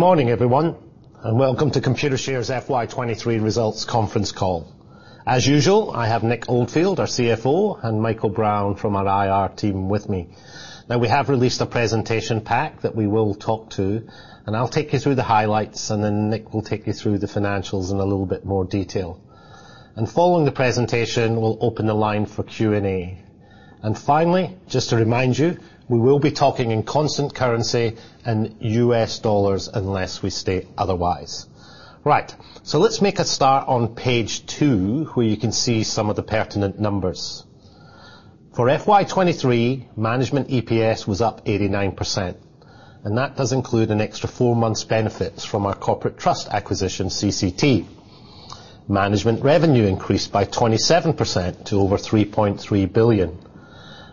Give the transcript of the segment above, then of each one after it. Morning, everyone, welcome to Computershare's FY 2023 results conference call. As usual, I have Nick Oldfield, our CFO, and Michael Brown from our IR team with me. We have released a presentation pack that we will talk to. I'll take you through the highlights, then Nick will take you through the financials in a little bit more detail. Following the presentation, we'll open the line for Q&A. Finally, just to remind you, we will be talking in constant currency and US dollars unless we state otherwise. Right. Let's make a start on page two, where you can see some of the pertinent numbers. For FY 2023, Management EPS was up 89%. That does include an extra 4 months benefits from our corporate trust acquisition, CCT. Management revenue increased by 27% to over 3.3 billion,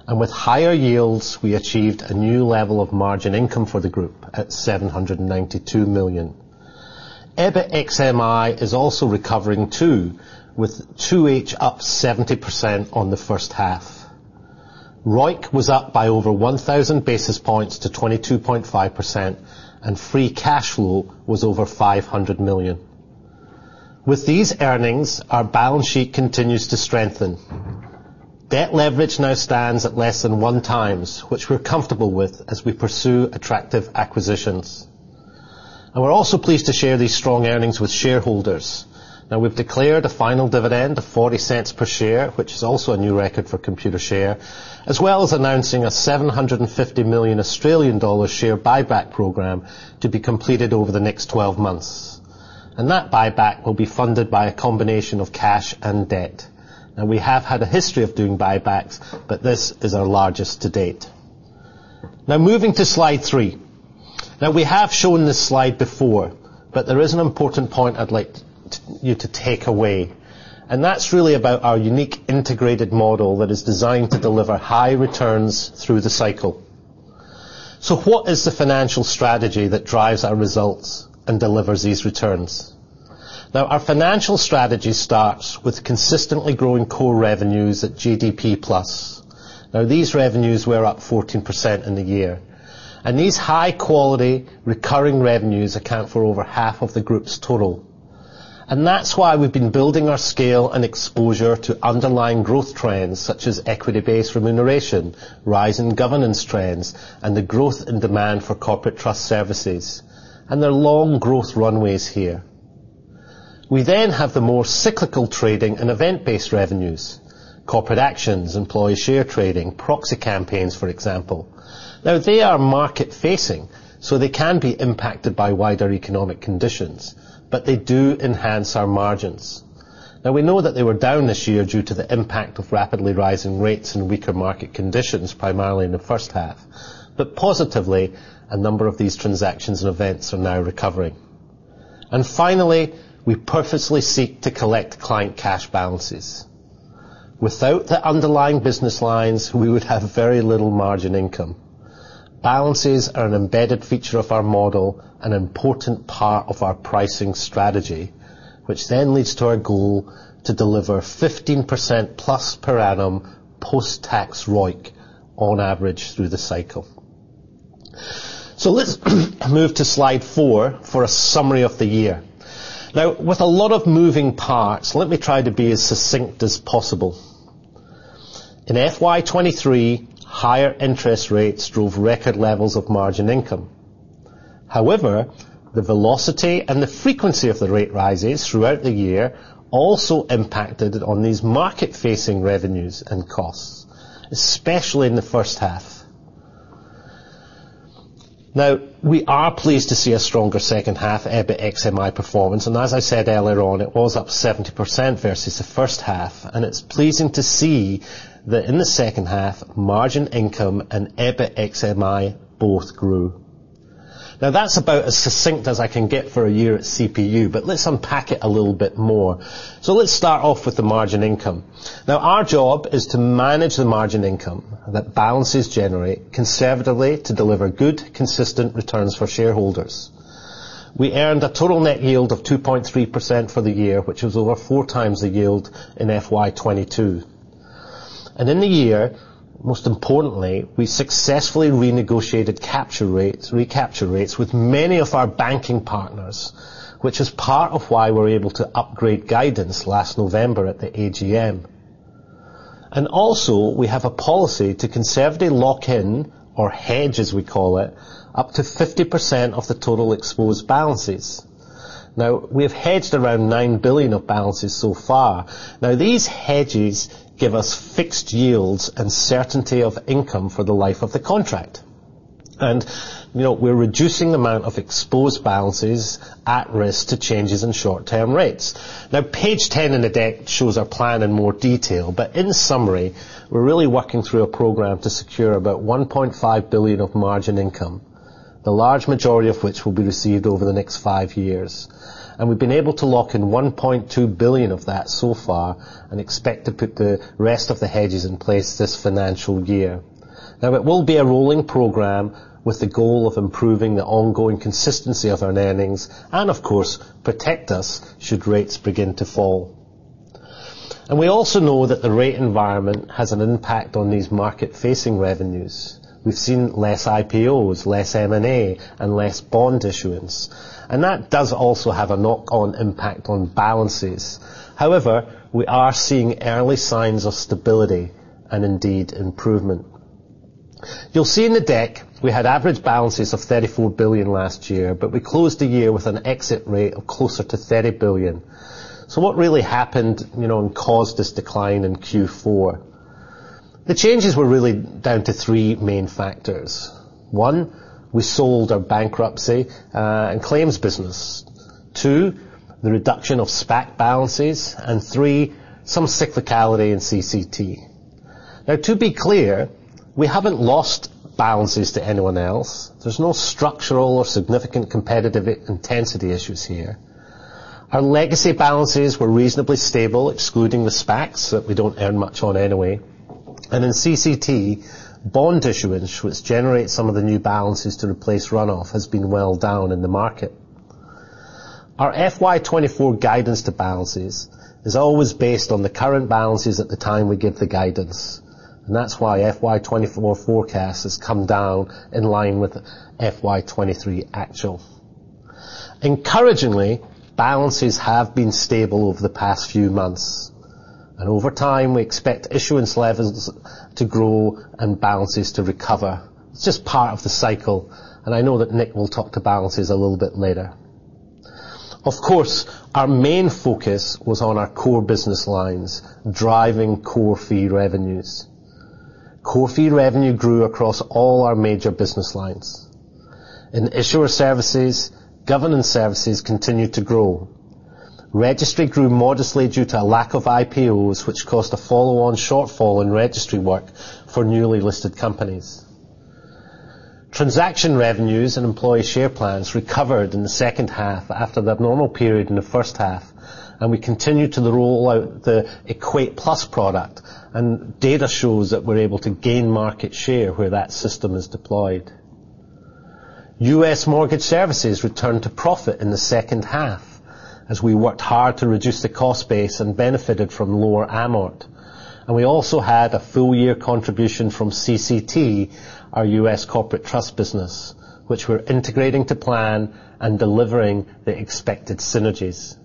and with higher yields, we achieved a new level of margin income for the group at 792 million. EBIT ex MI is also recovering, too, with 2H up 70% on the first half. ROIC was up by over 1,000 basis points to 22.5%, and free cash flow was over 500 million. With these earnings, our balance sheet continues to strengthen. Debt leverage now stands at less than 1 times, which we're comfortable with as we pursue attractive acquisitions. We're also pleased to share these strong earnings with shareholders. Now, we've declared a final dividend of 0.40 per share, which is also a new record for Computershare, as well as announcing a 750 million Australian dollar share buyback program to be completed over the next 12 months. That buyback will be funded by a combination of cash and debt. We have had a history of doing buybacks, but this is our largest to date. Moving to slide three. We have shown this slide before, but there is an important point I'd like you to take away, and that's really about our unique integrated model that is designed to deliver high returns through the cycle. What is the financial strategy that drives our results and delivers these returns? Our financial strategy starts with consistently growing core revenues at GDP plus. These revenues were up 14% in the year, and these high-quality recurring revenues account for over half of the group's total. That's why we've been building our scale and exposure to underlying growth trends, such as equity-based remuneration, rise in governance trends, and the growth in demand for corporate trust services. There are long growth runways here. We then have the more cyclical trading and event-based revenues, corporate actions, employee share trading, proxy campaigns, for example. They are market-facing, so they can be impacted by wider economic conditions, but they do enhance our margins. We know that they were down this year due to the impact of rapidly rising rates and weaker market conditions, primarily in the first half. Positively, a number of these transactions and events are now recovering. Finally, we purposely seek to collect client cash balances. Without the underlying business lines, we would have very little margin income. Balances are an embedded feature of our model, an important part of our pricing strategy, which then leads to our goal to deliver 15%+ per annum post-tax ROIC on average through the cycle. Let's move to slide four for a summary of the year. With a lot of moving parts, let me try to be as succinct as possible. In FY 2023, higher interest rates drove record levels of margin income. However, the velocity and the frequency of the rate rises throughout the year also impacted on these market-facing revenues and costs, especially in the first half. We are pleased to see a stronger second half EBIT ex MI performance, and as I said earlier on, it was up 70% versus the first half, and it's pleasing to see that in the second half, margin income and EBIT ex MI both grew. Now, that's about as succinct as I can get for a year at Computershare, but let's unpack it a little bit more. Let's start off with the margin income. Now, our job is to manage the margin income that balances generate conservatively to deliver good, consistent returns for shareholders. We earned a total net yield of 2.3% for the year, which was over 4 times the yield in FY 2022. In the year, most importantly, we successfully renegotiated capture rates, recapture rates, with many of our banking partners, which is part of why we're able to upgrade guidance last November at the AGM. Also, we have a policy to conservatively lock in, or hedge, as we call it, up to 50% of the total exposed balances. Now, we have hedged around $9 billion of balances so far. Now, these hedges give us fixed yields and certainty of income for the life of the contract. you know, we're reducing the amount of exposed balances at risk to changes in short-term rates. Now, page 10 in the deck shows our plan in more detail, but in summary, we're really working through a program to secure about $1.5 billion of margin income, the large majority of which will be received over the next five years. We've been able to lock in $1.2 billion of that so far and expect to put the rest of the hedges in place this financial year. Now, it will be a rolling program with the goal of improving the ongoing consistency of our earnings and, of course, protect us, should rates begin to fall. We also know that the rate environment has an impact on these market-facing revenues. We've seen less IPOs, less M&A, and less bond issuance. That does also have a knock-on impact on balances. However, we are seeing early signs of stability and indeed improvement. You'll see in the deck, we had average balances of $34 billion last year, but we closed the year with an exit rate of closer to $30 billion. What really happened, you know, and caused this decline in Q4? The changes were really down to three main factors. One, we sold our bankruptcy and claims business. Two, the reduction of SPAC balances, and three, some cyclicality in CCT. To be clear, we haven't lost balances to anyone else. There's no structural or significant competitive intensity issues here. Our legacy balances were reasonably stable, excluding the SPACs, that we don't earn much on anyway. In CCT, bond issuance, which generates some of the new balances to replace runoff, has been well down in the market. Our FY 2024 guidance to balances is always based on the current balances at the time we give the guidance, and that's why FY 2024 forecast has come down in line with FY 2023 actual. Encouragingly, balances have been stable over the past few months, and over time, we expect issuance levels to grow and balances to recover. It's just part of the cycle, and I know that Nick will talk to balances a little bit later. Of course, our main focus was on our core business lines, driving core fee revenues. Core fee revenue grew across all our major business lines. In issuer services, governance services continued to grow. Registry grew modestly due to a lack of IPOs, which caused a follow-on shortfall in registry work for newly listed companies. Transaction revenues and employee share plans recovered in the second half after the abnormal period in the first half. We continued to roll out the EquatePlus product, and data shows that we're able to gain market share where that system is deployed. US Mortgage Services returned to profit in the second half as we worked hard to reduce the cost base and benefited from lower amort. We also had a full year contribution from CCT, our US corporate trust business, which we're integrating to plan and delivering the expected synergies.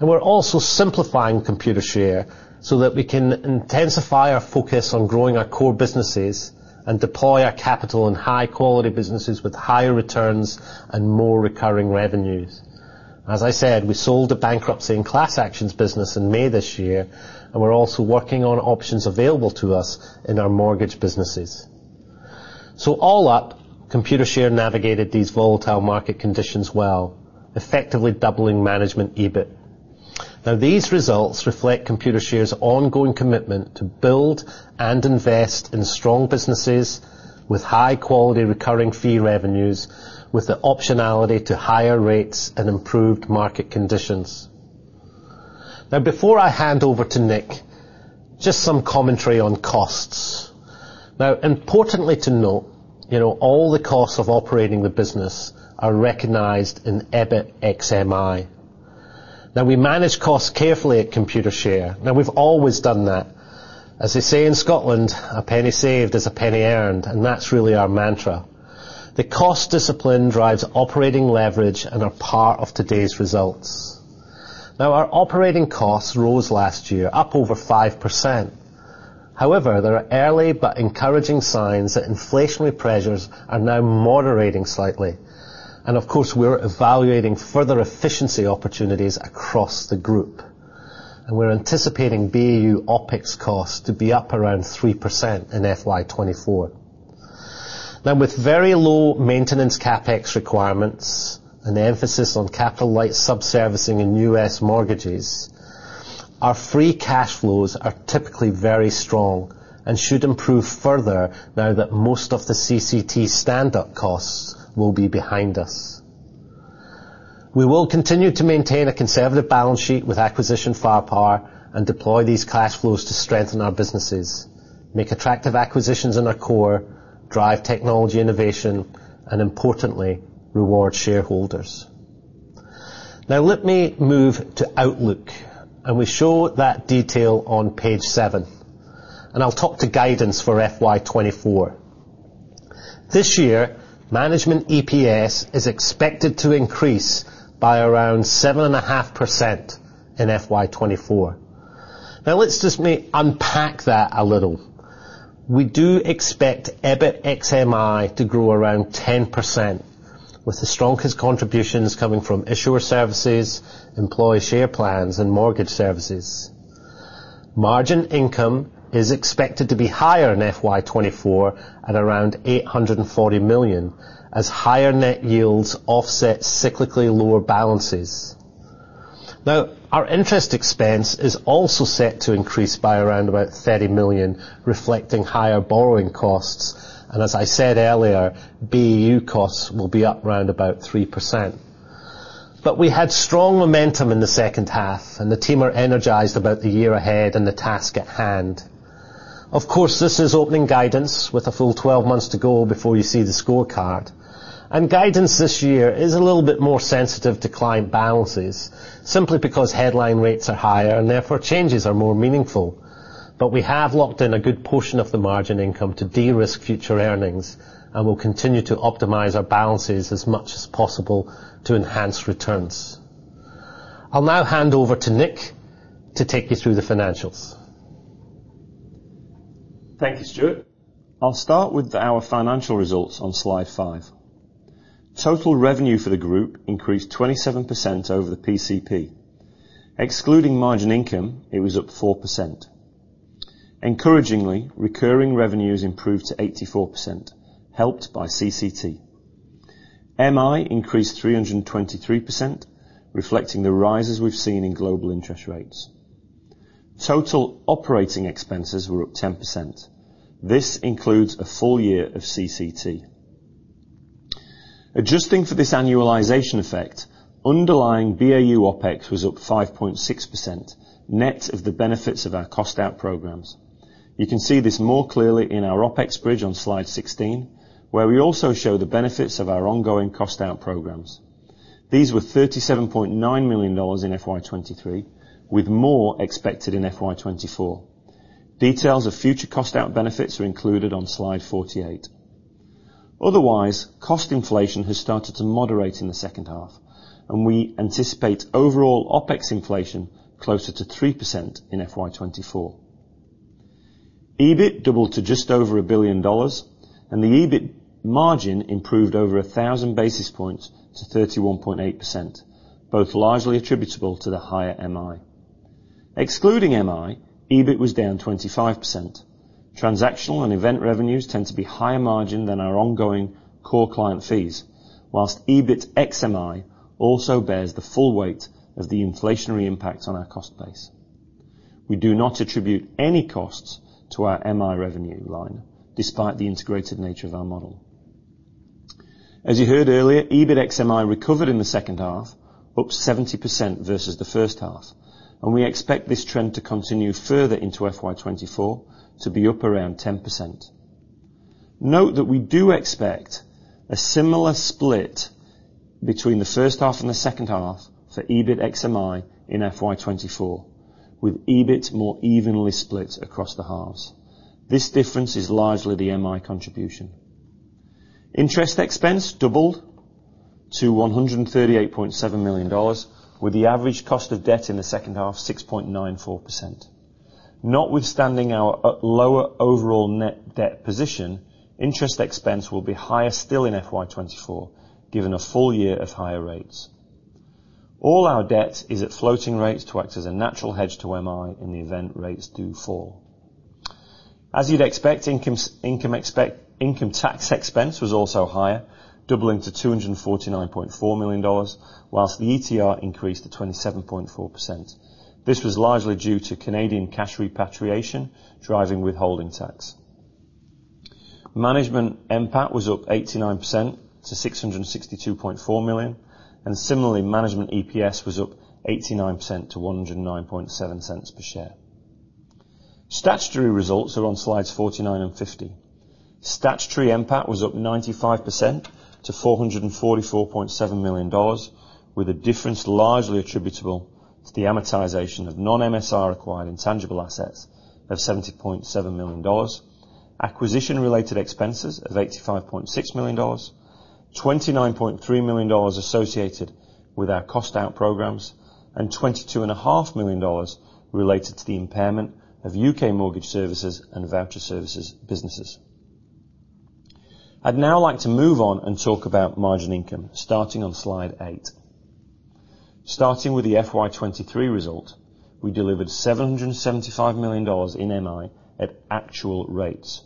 We're also simplifying Computershare so that we can intensify our focus on growing our core businesses and deploy our capital in high-quality businesses with higher returns and more recurring revenues. As I said, we sold a bankruptcy and class actions business in May this year. We're also working on options available to us in our mortgage businesses. All up, Computershare navigated these volatile market conditions well, effectively doubling management EBIT. These results reflect Computershare's ongoing commitment to build and invest in strong businesses with high-quality, recurring fee revenues, with the optionality to higher rates and improved market conditions. Before I hand over to Nick, just some commentary on costs. Importantly to note, you know, all the costs of operating the business are recognized in EBIT ex MI. We manage costs carefully at Computershare. We've always done that. As they say in Scotland, "A penny saved is a penny earned," that's really our mantra. The cost discipline drives operating leverage and are part of today's results. Our operating costs rose last year, up over 5%. However, there are early but encouraging signs that inflationary pressures are now moderating slightly, and of course, we're evaluating further efficiency opportunities across the group. We're anticipating BAU OpEx costs to be up around 3% in FY 2024. With very low maintenance CapEx requirements and the emphasis on capital-light sub-servicing in US mortgages, our free cash flows are typically very strong and should improve further now that most of the CCT stand-up costs will be behind us. We will continue to maintain a conservative balance sheet with acquisition firepower and deploy these cash flows to strengthen our businesses, make attractive acquisitions in our core, drive technology innovation, and importantly, reward shareholders. Let me move to outlook, and we show that detail on page seven, and I'll talk to guidance for FY 2024. This year, Management EPS is expected to increase by around 7.5% in FY 2024. Let's just me unpack that a little. We do expect EBIT ex MI to grow around 10%, with the strongest contributions coming from issuer services, Employee Share Plans, and mortgage services. Margin Income is expected to be higher in FY 2024 at around $840 million, as higher net yields offset cyclically lower balances. Our interest expense is also set to increase by around about $30 million, reflecting higher borrowing costs, and as I said earlier, BAU costs will be up around about 3%. We had strong momentum in the second half, and the team are energized about the year ahead and the task at hand. Of course, this is opening guidance with a full 12 months to go before you see the scorecard. Guidance this year is a little bit more sensitive to client balances, simply because headline rates are higher, and therefore changes are more meaningful. We have locked in a good portion of the Margin Income to de-risk future earnings, and we'll continue to optimize our balances as much as possible to enhance returns. I'll now hand over to Nick to take you through the financials. Thank you, Stuart. I'll start with our financial results on slide five. Total revenue for the group increased 27% over the PCP. Excluding margin income, it was up 4%. Encouragingly, recurring revenues improved to 84%, helped by CCT. MI increased 323%, reflecting the rises we've seen in global interest rates. Total operating expenses were up 10%. This includes a full year of CCT. Adjusting for this annualization effect, underlying BAU OpEx was up 5.6%, net of the benefits of our cost out programs. You can see this more clearly in our OpEx bridge on slide 16, where we also show the benefits of our ongoing cost out programs. These were $37.9 million in FY 2023, with more expected in FY 2024. Details of future cost out benefits are included on slide 48. Otherwise, cost inflation has started to moderate in the second half, and we anticipate overall OpEx inflation closer to 3% in FY 2024. EBIT doubled to just over $1 billion, and the EBIT margin improved over 1,000 basis points to 31.8%, both largely attributable to the higher MI. Excluding MI, EBIT was down 25%. Transactional and event revenues tend to be higher margin than our ongoing core client fees, whilst EBIT ex MI also bears the full weight of the inflationary impact on our cost base. We do not attribute any costs to our MI revenue line, despite the integrated nature of our model. As you heard earlier, EBIT ex MI recovered in the second half, up 70% versus the first half, and we expect this trend to continue further into FY 2024 to be up around 10%. Note that we do expect a similar split between the first half and the second half for EBIT ex-MI in FY 2024, with EBIT more evenly split across the halves. This difference is largely the MI contribution. Interest expense doubled to $138.7 million, with the average cost of debt in the second half, 6.94%. Notwithstanding our lower overall net debt position, interest expense will be higher still in FY 2024, given a full year of higher rates. All our debt is at floating rates to act as a natural hedge to MI in the event rates do fall. As you'd expect, income tax expense was also higher, doubling to $249.4 million, whilst the ETR increased to 27.4%. This was largely due to Canadian cash repatriation, driving withholding tax. Management NPAT was up 89% to $662.4 million, similarly, Management EPS was up 89% to $1.097 per share. Statutory results are on slides 49 and 50. Statutory NPAT was up 95% to $444.7 million, with a difference largely attributable to the amortization of non-MSR acquired intangible assets of $70.7 million, acquisition-related expenses of $85.6 million, $29.3 million associated with our cost out programs, and $22.5 million related to the impairment of UK mortgage services and voucher services businesses. I'd now like to move on and talk about margin income, starting on slide eight. Starting with the FY 2023 result, we delivered $775 million in MI at actual rates.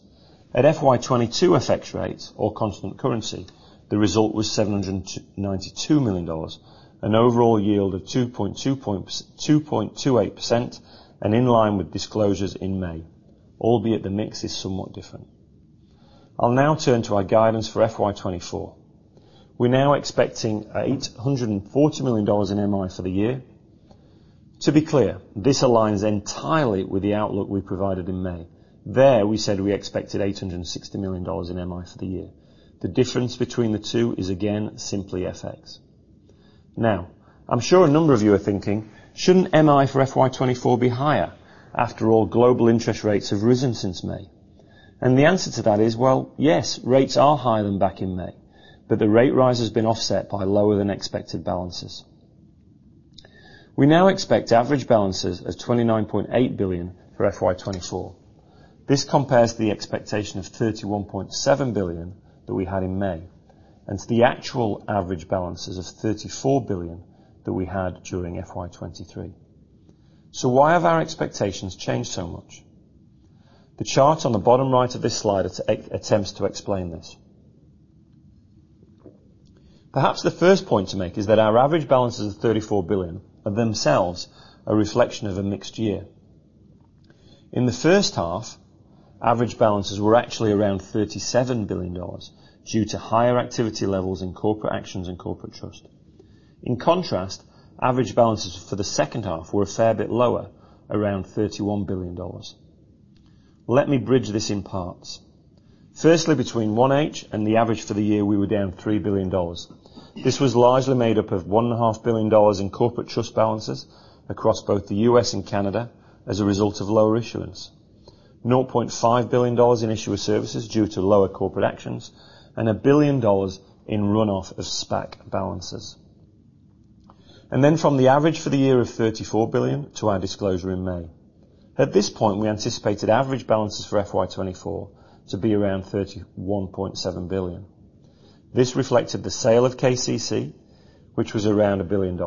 At FY 2022 FX rates or constant currency, the result was $792 million, an overall yield of 2.28%, and in line with disclosures in May, albeit the mix is somewhat different. I'll now turn to our guidance for FY 2024. We're now expecting $840 million in MI for the year. To be clear, this aligns entirely with the outlook we provided in May. There, we said we expected $860 million in MI for the year. The difference between the two is, again, simply FX. I'm sure a number of you are thinking: Shouldn't MI for FY 2024 be higher? After all, global interest rates have risen since May. The answer to that is, well, yes, rates are higher than back in May. The rate rise has been offset by lower than expected balances. We now expect average balances of $29.8 billion for FY 2024. This compares to the expectation of $31.7 billion that we had in May. To the actual average balances of $34 billion that we had during FY 2023. Why have our expectations changed so much? The chart on the bottom right of this slide attempts to explain this. Perhaps the first point to make is that our average balances of $34 billion are themselves a reflection of a mixed year. In the first half, average balances were actually around $37 billion due to higher activity levels in corporate actions and corporate trust. In contrast, average balances for the second half were a fair bit lower, around $31 billion. Let me bridge this in parts. Firstly, between 1H and the average for the year, we were down $3 billion. This was largely made up of $1.5 billion in corporate trust balances across both the U.S. and Canada as a result of lower issuance. $0.5 billion in issuer services due to lower corporate actions, and $1 billion in runoff of SPAC balances. From the average for the year of $34 billion to our disclosure in May. At this point, we anticipated average balances for FY 2024 to be around $31.7 billion. This reflected the sale of KCC, which was around $1 billion,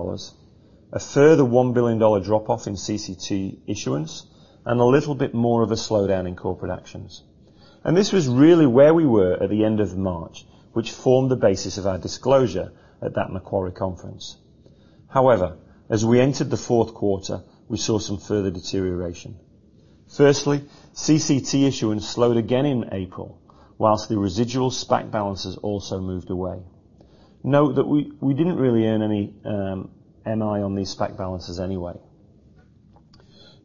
a further $1 billion drop-off in CCT issuance, a little bit more of a slowdown in corporate actions. This was really where we were at the end of March, which formed the basis of our disclosure at that Macquarie conference. However, as we entered the fourth quarter, we saw some further deterioration. Firstly, CCT issuance slowed again in April, whilst the residual SPAC balances also moved away. Note that we, we didn't really earn any MI on these SPAC balances anyway.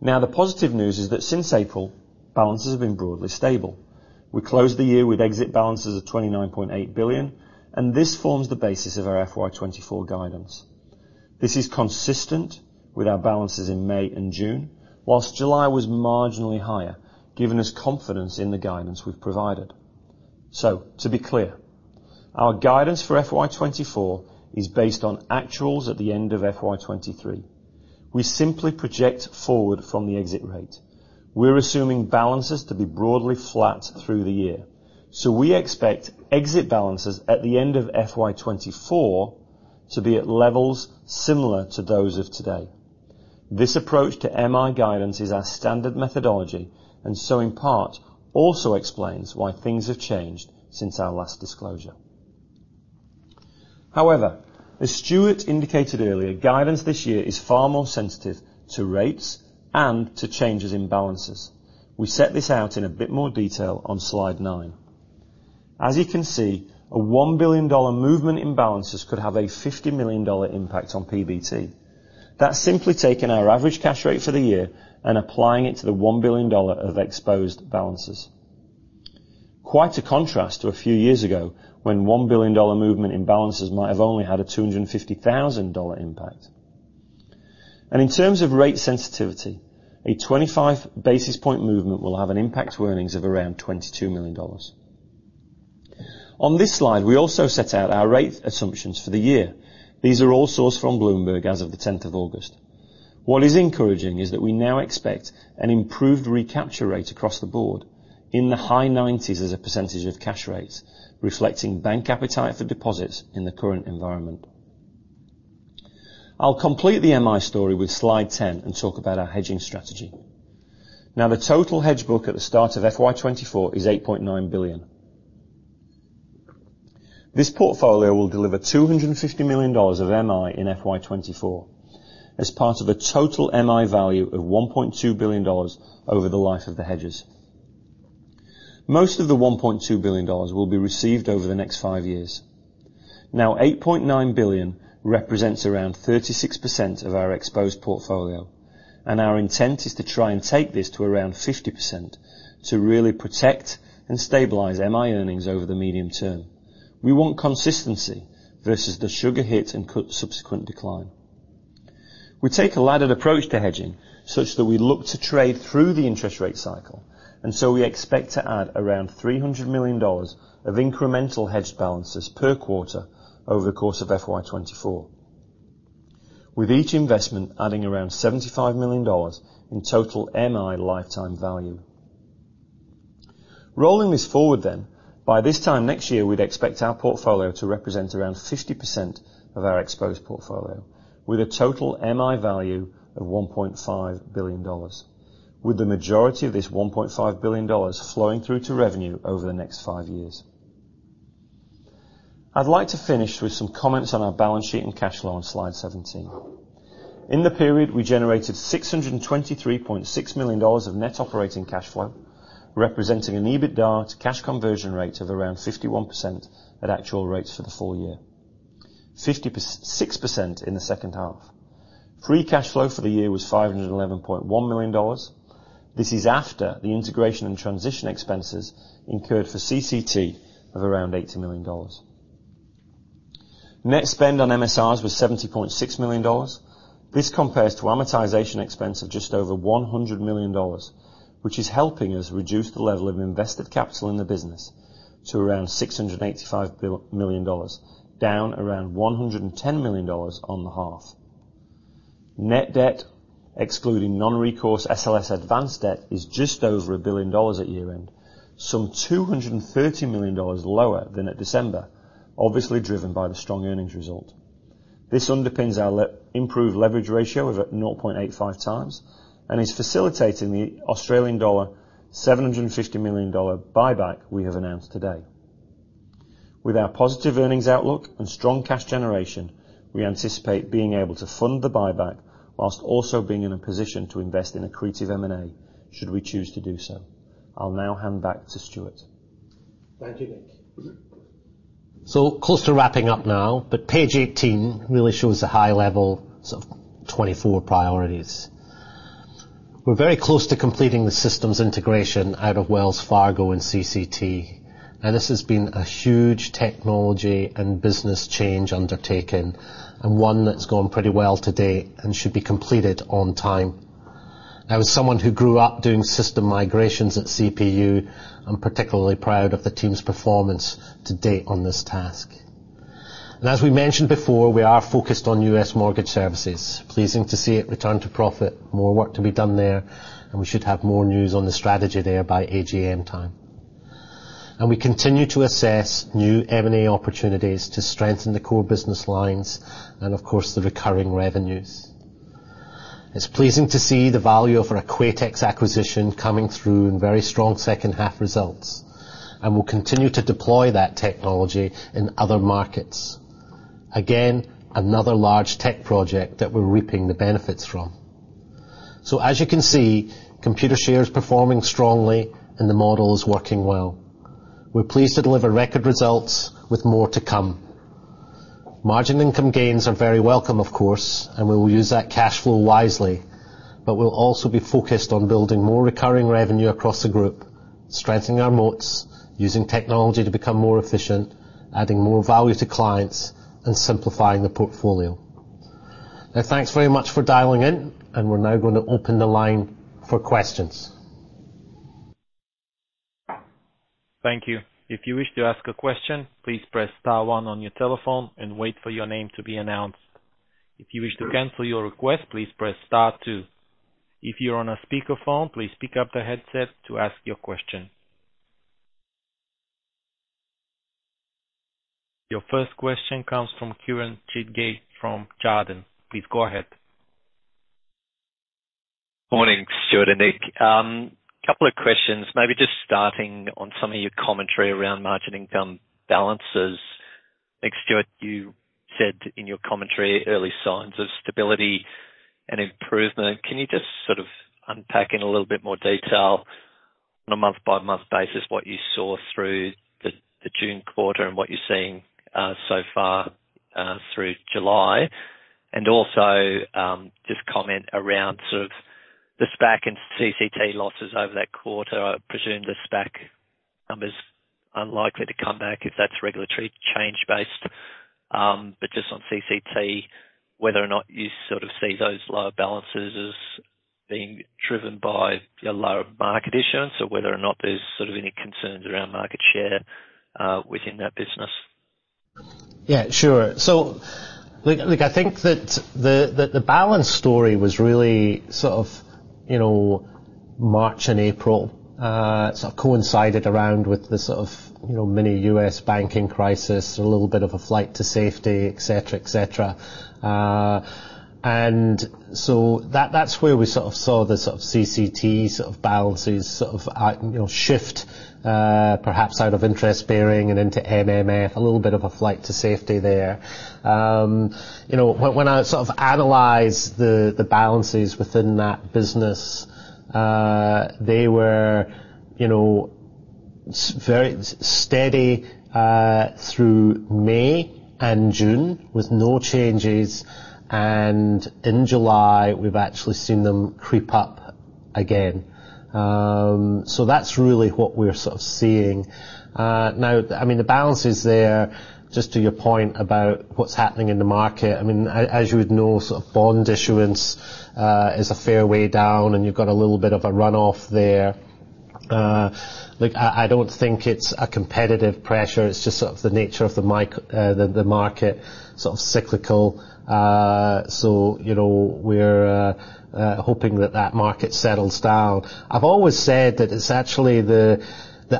Now, the positive news is that since April, balances have been broadly stable. We closed the year with exit balances of $29.8 billion, this forms the basis of our FY 2024 guidance. This is consistent with our balances in May and June, whilst July was marginally higher, giving us confidence in the guidance we've provided. To be clear, our guidance for FY 2024 is based on actuals at the end of FY 2023. We simply project forward from the exit rate. We're assuming balances to be broadly flat through the year, so we expect exit balances at the end of FY 2024 to be at levels similar to those of today. This approach to MI guidance is our standard methodology, and so in part, also explains why things have changed since our last disclosure. As Stuart indicated earlier, guidance this year is far more sensitive to rates and to changes in balances. We set this out in a bit more detail on slide nine. As you can see, a $1 billion movement in balances could have a $50 million impact on PBT. That's simply taking our average cash rate for the year and applying it to the $1 billion of exposed balances. Quite a contrast to a few years ago, when $1 billion movement in balances might have only had a $250,000 impact. In terms of rate sensitivity, a 25 basis point movement will have an impact to earnings of around $22 million. On this slide, we also set out our rate assumptions for the year. These are all sourced from Bloomberg as of the 10th of August. What is encouraging is that we now expect an improved recapture rate across the board in the high 90s as a % of cash rates, reflecting bank appetite for deposits in the current environment. I'll complete the MI story with slide 10 and talk about our hedging strategy. The total hedge book at the start of FY 2024 is $8.9 billion. This portfolio will deliver $250 million of MI in FY 2024 as part of a total MI value of $1.2 billion over the life of the hedges. Most of the $1.2 billion will be received over the next 5 years. $8.9 billion represents around 36% of our exposed portfolio, and our intent is to try and take this to around 50% to really protect and stabilize MI earnings over the medium term. We want consistency versus the sugar hit and subsequent decline. We take a laddered approach to hedging such that we look to trade through the interest rate cycle, so we expect to add around $300 million of incremental hedged balances per quarter over the course of FY 2024, with each investment adding around $75 million in total MI lifetime value. Rolling this forward, by this time next year, we'd expect our portfolio to represent around 50% of our exposed portfolio, with a total MI value of $1.5 billion, with the majority of this $1.5 billion flowing through to revenue over the next five years. I'd like to finish with some comments on our balance sheet and cash flow on slide 17. In the period, we generated 623.6 million dollars of net operating cash flow, representing an EBITDA to cash conversion rate of around 51% at actual rates for the full year. 50 per... 6% in the second half. Free cash flow for the year was 511.1 million dollars. This is after the integration and transition expenses incurred for CCT of around 80 million dollars. Net spend on MSRs was 70.6 million dollars. This compares to amortization expense of just over 100 million dollars, which is helping us reduce the level of invested capital in the business to around 685 million dollars, down around 110 million dollars on the half. Net debt, excluding non-recourse SLS advanced debt, is just over 1 billion dollars at year-end, some 230 million dollars lower than at December, obviously driven by the strong earnings result. This underpins our improved leverage ratio of at 0.85 times, and is facilitating the Australian dollar 750 million buyback we have announced today. With our positive earnings outlook and strong cash generation, we anticipate being able to fund the buyback whilst also being in a position to invest in accretive M&A, should we choose to do so. I'll now hand back to Stuart. Thank you, Nick. Close to wrapping up now, but page 18 really shows a high level, sort of 24 priorities. We're very close to completing the systems integration out of Wells Fargo and CCT, and this has been a huge technology and business change undertaken, and one that's gone pretty well to date and should be completed on time. As someone who grew up doing system migrations at CPU, I'm particularly proud of the team's performance to date on this task. As we mentioned before, we are focused on US Mortgage Services. Pleasing to see it return to profit. More work to be done there, and we should have more news on the strategy there by AGM time. We continue to assess new M&A opportunities to strengthen the core business lines and, of course, the recurring revenues. It's pleasing to see the value of our Equatex acquisition coming through in very strong second-half results, and we'll continue to deploy that technology in other markets. Again, another large tech project that we're reaping the benefits from. As you can see, Computershare is performing strongly, and the model is working well. We're pleased to deliver record results with more to come. Margin income gains are very welcome, of course, and we will use that cash flow wisely, but we'll also be focused on building more recurring revenue across the group, strengthening our moats, using technology to become more efficient, adding more value to clients, and simplifying the portfolio. Thanks very much for dialing in, and we're now going to open the line for questions. Thank you. If you wish to ask a question, please press star 1 on your telephone and wait for your name to be announced. If you wish to cancel your request, please press star 2. If you're on a speakerphone, please pick up the headset to ask your question. Your first question comes from Kieran Chidgey from Jarden. Please go ahead. Morning, Stuart and Nick. Couple of questions, maybe just starting on some of your commentary around Margin Income balances. I think, Stuart, you said in your commentary, early signs of stability and improvement. Can you just sort of unpack in a little bit more detail on a month-by-month basis, what you saw through the June quarter and what you're seeing so far through July? Also, just comment around sort of the SPAC and CCT losses over that quarter. I presume the SPAC number's unlikely to come back if that's regulatory change based. Just on CCT, whether or not you sort of see those lower balances as being driven by a lower market issuance, or whether or not there's sort of any concerns around market share within that business. Yeah, sure. Look, look, I think that the, the, the balance story was really sort of, you know, March and April. Sort of coincided around with the sort of, you know, mini U.S. banking crisis, a little bit of a flight to safety, et cetera, et cetera. That-that's where we sort of saw the sort of CCT, sort of balances, sort of, you know, shift, perhaps out of interest-bearing and into MMF, a little bit of a flight to safety there. You know, when, when I sort of analyze the, the balances within that business, they were, you know, very steady through May and June with no changes, and in July, we've actually seen them creep up again. That's really what we're sort of seeing. Now, I mean, the balance is there, just to your point about what's happening in the market. I mean, as you would know, sort of bond issuance is a fair way down, and you've got a little bit of a run-off there. Look, I, I don't think it's a competitive pressure. It's just sort of the nature of the market, sort of cyclical. You know, we're hoping that that market settles down. I've always said that it's actually the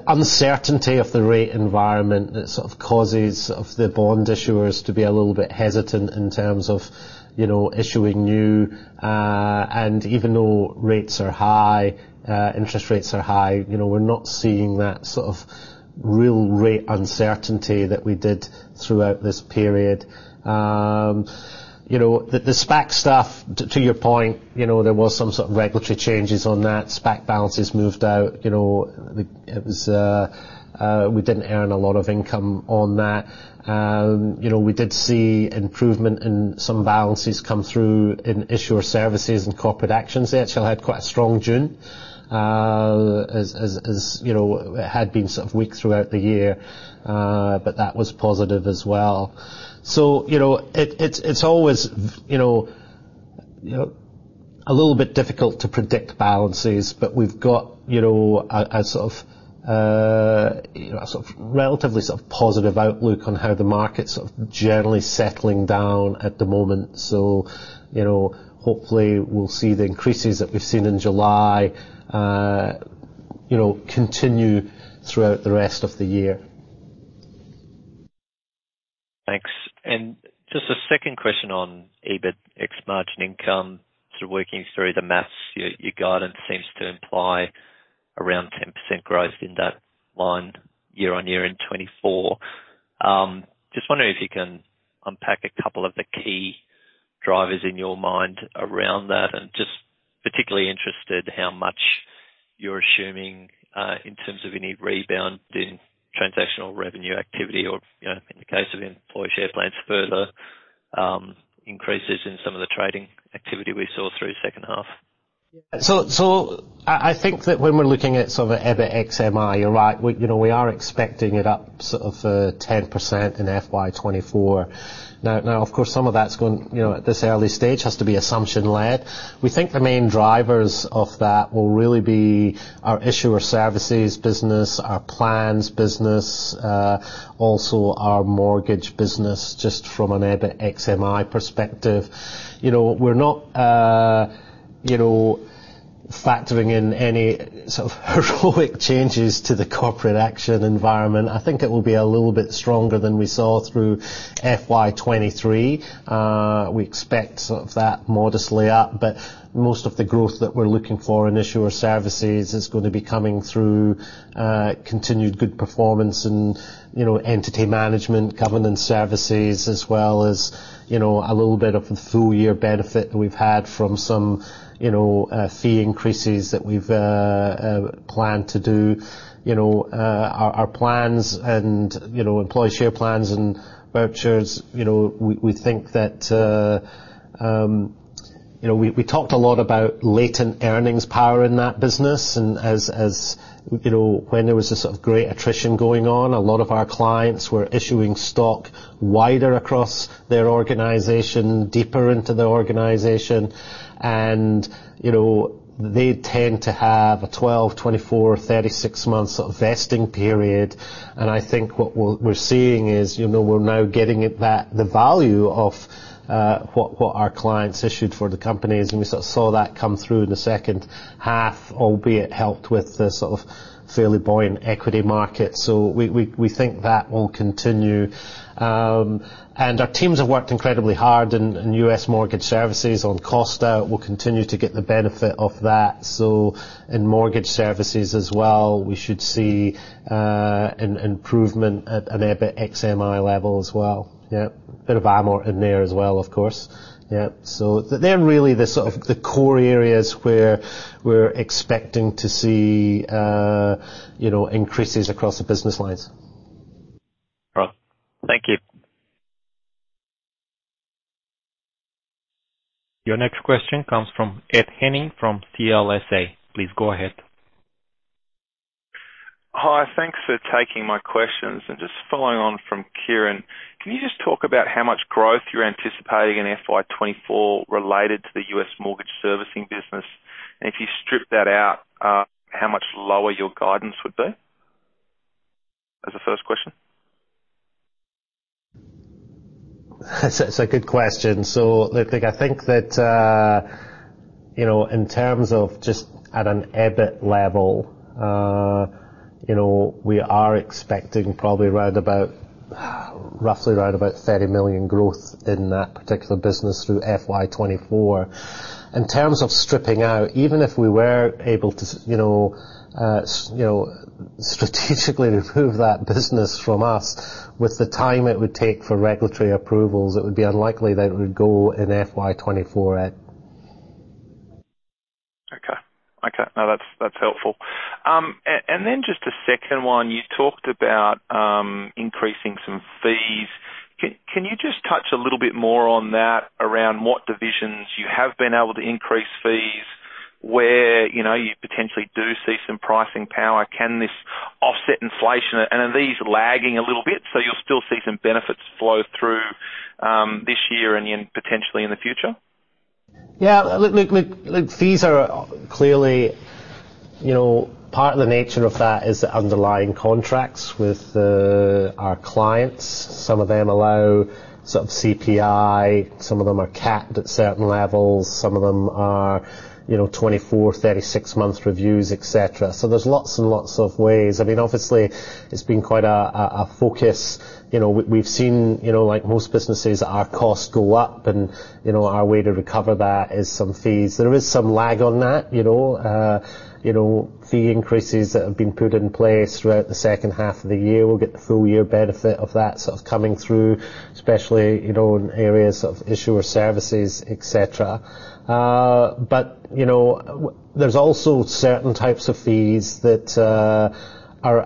uncertainty of the rate environment that sort of causes of the bond issuers to be a little bit hesitant in terms of, you know, issuing new. Even though rates are high, interest rates are high, you know, we're not seeing that sort of real rate uncertainty that we did throughout this period. You know, the, the SPAC stuff, to your point, you know, there was some sort of regulatory changes on that. SPAC balances moved out, you know. It was, we didn't earn a lot of income on that. You know, we did see improvement in some balances come through in issuer services and corporate actions. They actually had quite a strong June, as, as, as, you know, it had been sort of weak throughout the year, but that was positive as well. You know, it, it's, it's always, you know, you know, a little bit difficult to predict balances, but we've got, you know, a, a sort of, you know, a sort of relatively sort of positive outlook on how the market's sort of generally settling down at the moment. You know, hopefully, we'll see the increases that we've seen in July, you know, continue throughout the rest of the year. Thanks. Just a second question on EBIT ex Margin Income. Sort of working through the maths, your, your guidance seems to imply around 10% growth in that line year-on-year in 2024. Just wondering if you can unpack a couple of the key drivers in your mind around that, particularly interested how much you're assuming in terms of any rebound in transactional revenue activity or, you know, in the case of Employee Share Plans, further increases in some of the trading activity we saw through second half. I, I think that when we're looking at sort of EBIT ex MI, you're right. We, you know, we are expecting it up sort of 10% in FY 2024. Of course, some of that's going, you know, at this early stage, has to be assumption-led. We think the main drivers of that will really be our issuer services business, our plans business, also our mortgage business, just from an EBIT ex MI perspective. You know, we're not, you know, factoring in any sort of heroic changes to the corporate action environment. I think it will be a little bit stronger than we saw through FY 2023. We expect sort of that modestly up, but most of the growth that we're looking for in Issuer Services is gonna be coming through, continued good performance and, you know, entity management, governance services, as well as, you know, a little bit of a full year benefit we've had from some, you know, fee increases that we've, planned to do. You know, our, our plans and, you know, Employee Share Plans and vouchers, you know, we, we think that. You know, we, we talked a lot about latent earnings power in that business, and as, as you know, when there was a sort of great attrition going on, a lot of our clients were issuing stock wider across their organization, deeper into the organization. They tend to have a 12, 24, 36 months of vesting period. I think what we're, we're seeing is, you know, we're now getting it, that the value of, what, what our clients issued for the companies, and we sort of saw that come through in the second half, albeit helped with the sort of fairly buoyant equity market. We, we, we think that will continue. Our teams have worked incredibly hard in, in US Mortgage Services on Costa, we'll continue to get the benefit of that. In mortgage services as well, we should see, an improvement at an EBIT ex MI level as well. Yeah. Bit of amort in there as well, of course. Yeah. They're really the sort of the core areas where we're expecting to see, you know, increases across the business lines. Well, thank you. Your next question comes from Ed Henning, from CLSA. Please go ahead. Hi, thanks for taking my questions. Just following on from Kieran, can you just talk about how much growth you're anticipating in FY 2024, related to the US Mortgage Services business? If you strip that out, how much lower your guidance would be? As a first question. That's a good question. look, like, I think that, you know, in terms of just at an EBIT level, you know, we are expecting probably round about, roughly round about $30 million growth in that particular business through FY 2024. In terms of stripping out, even if we were able to, you know, strategically remove that business from us, with the time it would take for regulatory approvals, it would be unlikely that it would go in FY 2024, Ed. Okay. Okay, now, that's, that's helpful. Then just a second one, you talked about, increasing some fees. Can, can you just touch a little bit more on that, around what divisions you have been able to increase fees? Where, you know, you potentially do see some pricing power, can this offset inflation? Are these lagging a little bit, so you'll still see some benefits flow through, this year and then potentially in the future? Yeah, look, look, look, fees are clearly, you know, part of the nature of that is the underlying contracts with our clients. Some of them allow sort of CPI, some of them are capped at certain levels, some of them are, you know, 24, 36 month reviews, et cetera. There's lots and lots of ways. I mean, obviously, it's been quite a focus. You know, we've seen, you know, like most businesses, our costs go up, and, you know, our way to recover that is some fees. There is some lag on that, you know, fee increases that have been put in place throughout the second half of the year, we'll get the full year benefit of that sort of coming through, especially, you know, in areas of issuer services, et cetera. You know, there's also certain types of fees that are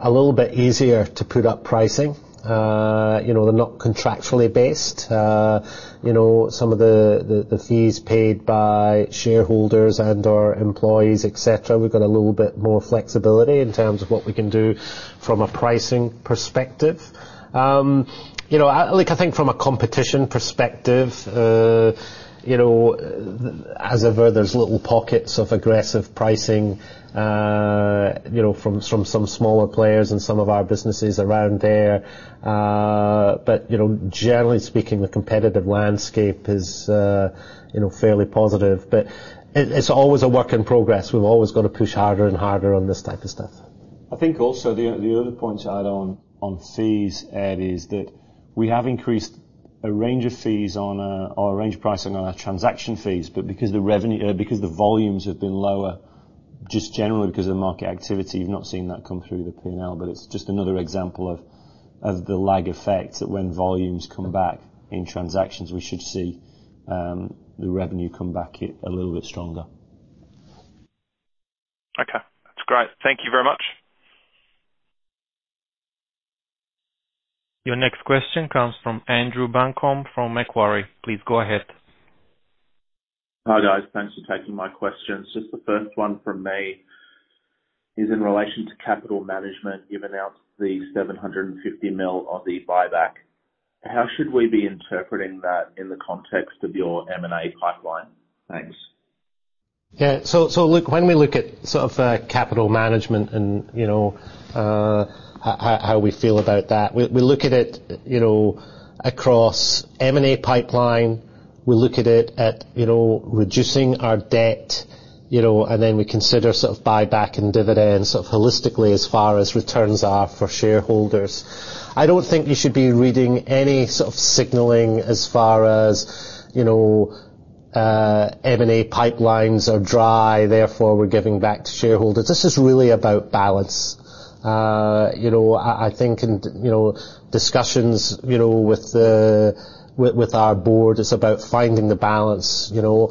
a little bit easier to put up pricing. You know, they're not contractually based. You know, some of the fees paid by shareholders and/or employees, et cetera, we've got a little bit more flexibility in terms of what we can do from a pricing perspective. You know, like, I think from a competition perspective, you know, as ever, there's little pockets of aggressive pricing, you know, from some smaller players and some of our businesses around there. You know, generally speaking, the competitive landscape is, you know, fairly positive. It's always a work in progress. We've always got to push harder and harder on this type of stuff. I think also the, the other point to add on, on fees, Ed, is that we have increased a range of fees on, or a range of pricing on our transaction fees, but because the revenue... because the volumes have been lower-... just generally, because of market activity, you've not seen that come through the P&L, but it's just another example of, of the lag effect, that when volumes come back in transactions, we should see the revenue come back a little bit stronger. Okay, that's great. Thank you very much. Your next question comes from Andrew Buncombe, from Macquarie. Please go ahead. Hi, guys. Thanks for taking my questions. Just the first one from me is in relation to capital management. You've announced the 750 million on the buyback. How should we be interpreting that in the context of your M&A pipeline? Thanks. Yeah, so look, when we look at sort of capital management and, you know, how, how we feel about that, we, we look at it, you know, across M&A pipeline, we look at it at, you know, reducing our debt, you know, and then we consider sort of buyback and dividends sort of holistically, as far as returns are for shareholders. I don't think you should be reading any sort of signaling as far as, you know, M&A pipelines are dry, therefore, we're giving back to shareholders. This is really about balance. You know, I, I think, and, you know, discussions, you know, with the, with, with our board, it's about finding the balance, you know?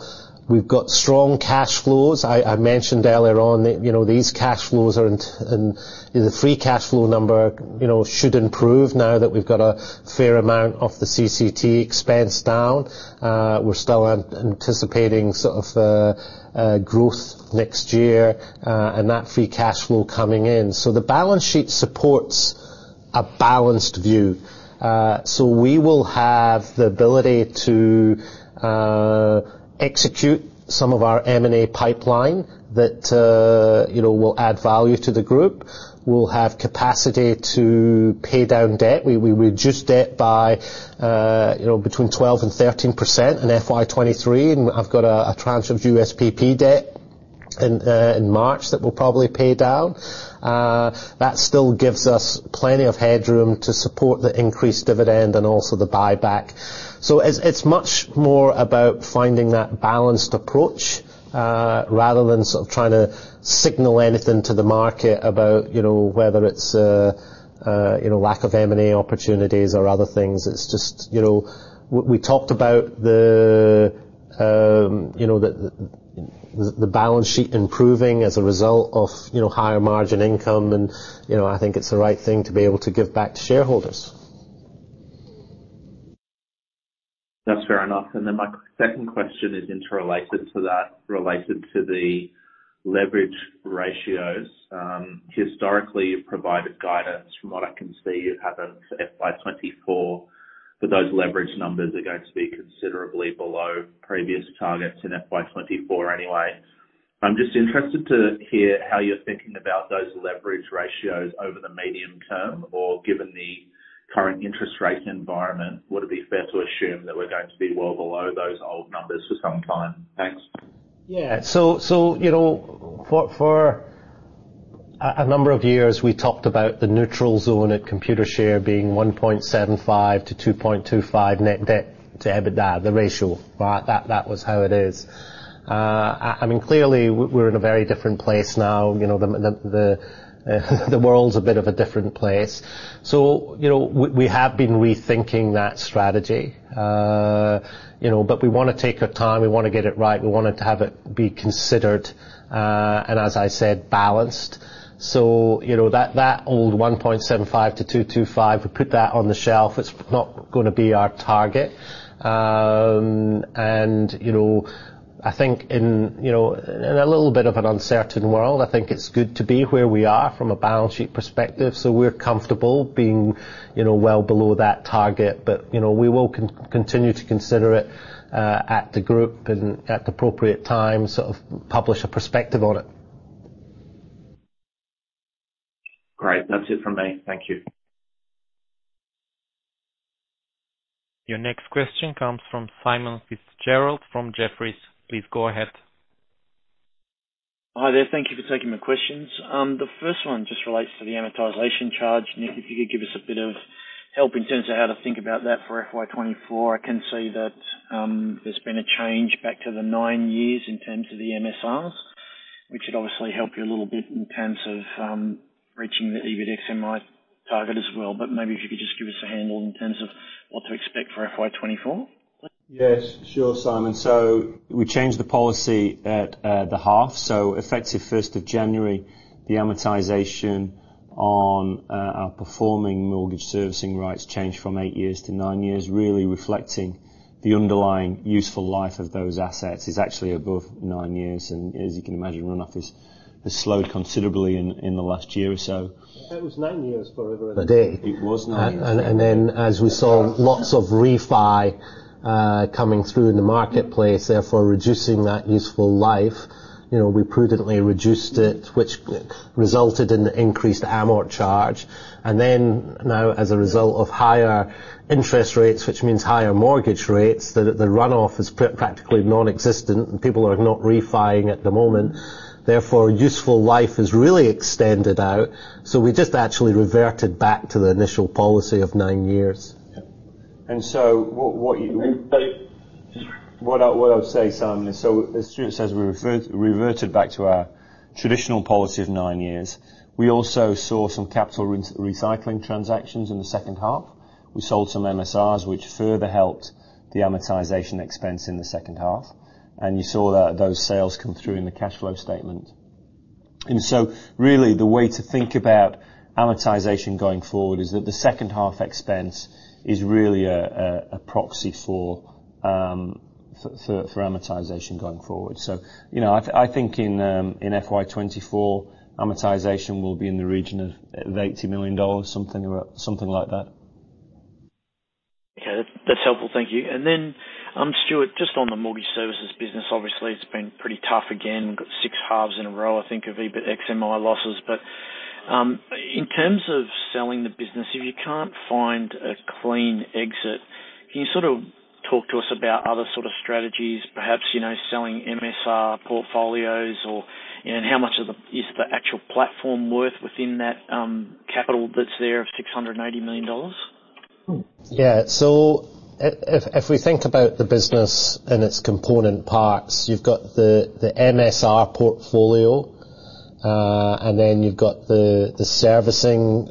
We've got strong cash flows. I mentioned earlier on that, you know, these cash flows aren't and the free cash flow number, you know, should improve now that we've got a fair amount of the CCT expense down. We're still anticipating sort of growth next year and that free cash flow coming in. The balance sheet supports a balanced view. We will have the ability to execute some of our M&A pipeline that, you know, will add value to the group. We'll have capacity to pay down debt. We reduced debt by, you know, between 12% and 13% in FY 2023, and I've got a tranche of USPP debt in March, that we'll probably pay down. That still gives us plenty of headroom to support the increased dividend and also the buyback. It's, it's much more about finding that balanced approach, rather than sort of trying to signal anything to the market about, you know, whether it's, you know, lack of M&A opportunities or other things. It's just, you know, we, we talked about the, you know, the, the, the balance sheet improving as a result of, you know, higher margin income and, you know, I think it's the right thing to be able to give back to shareholders. That's fair enough. My second question is interrelated to that, related to the leverage ratios. Historically, you've provided guidance. From what I can see, it happens FY 2024, but those leverage numbers are going to be considerably below previous targets in FY 2024 anyway. I'm just interested to hear how you're thinking about those leverage ratios over the medium term, or given the current interest rate environment, would it be fair to assume that we're going to be well below those old numbers for some time? Thanks. Yeah. You know, for, for a, a number of years, we talked about the neutral zone at Computershare being 1.75 to 2.25 net debt to EBITDA, the ratio. That, that was how it is. I, I mean, clearly, we- we're in a very different place now. You know, the, the, the, the world's a bit of a different place. You know, we, we have been rethinking that strategy. You know, we wanna take our time. We wanna get it right, we want to have it be considered, and as I said, balanced. You know, that, that old 1.75 to 2.25, we put that on the shelf. It's not gonna be our target. You know, I think in, you know, in a little bit of an uncertain world, I think it's good to be where we are from a balance sheet perspective. We're comfortable being, you know, well below that target, but, you know, we will con- continue to consider it, at the group and at the appropriate time, sort of publish a perspective on it. Great. That's it from me. Thank you. Your next question comes from Simon Fitzgerald, from Jefferies. Please go ahead. Hi there. Thank you for taking my questions. The first one just relates to the amortization charge. Nick, if you could give us a bit of help in terms of how to think about that for FY 2024. I can see that there's been a change back to the 9 years in terms of the MSRs, which would obviously help you a little bit in terms of reaching the EBITDA target as well, but maybe if you could just give us a handle in terms of what to expect for FY 2024? Yes. Sure, Simon. We changed the policy at the half. Effective first of January, the amortization on our performing Mortgage Servicing Rights changed from eight years to nine years, really reflecting the underlying useful life of those assets is actually above nine years, and as you can imagine, runoff has, has slowed considerably in, in the last year or so. It was nine years for a day. It was nine years. As we saw lots of refi coming through in the marketplace, therefore, reducing that useful life, you know, we prudently reduced it, which resulted in the increased amort charge. Now, as a result of higher interest rates, which means higher mortgage rates, the runoff is practically non-existent, and people are not refi-ing at the moment. Useful life has really extended out, so we just actually reverted back to the initial policy of nine years. What I would say, Simon, is as Stuart says, we reverted back to our traditional policy of nine years. We also saw some capital re- recycling transactions in the second half. We sold some MSRs, which further helped the amortization expense in the second half, and you saw that those sales come through in the cash flow statement. Really, the way to think about amortization going forward is that the second half expense is really a proxy for amortization going forward. You know, I think in FY 2024, amortization will be in the region of $80 million, something or something like that. Okay, that's, that's helpful. Thank you. Then, Stuart, just on the mortgage services business, obviously, it's been pretty tough again. We've got six halves in a row, I think, of EBIT ex MI losses. In terms of selling the business, if you can't find a clean exit, can you sort of talk to us about other sort of strategies, perhaps, you know, selling MSR portfolios or, you know, and how much is the actual platform worth within that capital that's there of $680 million? Yeah. So if, if we think about the business and its component parts, you've got the, the MSR portfolio, and then you've got the, the servicing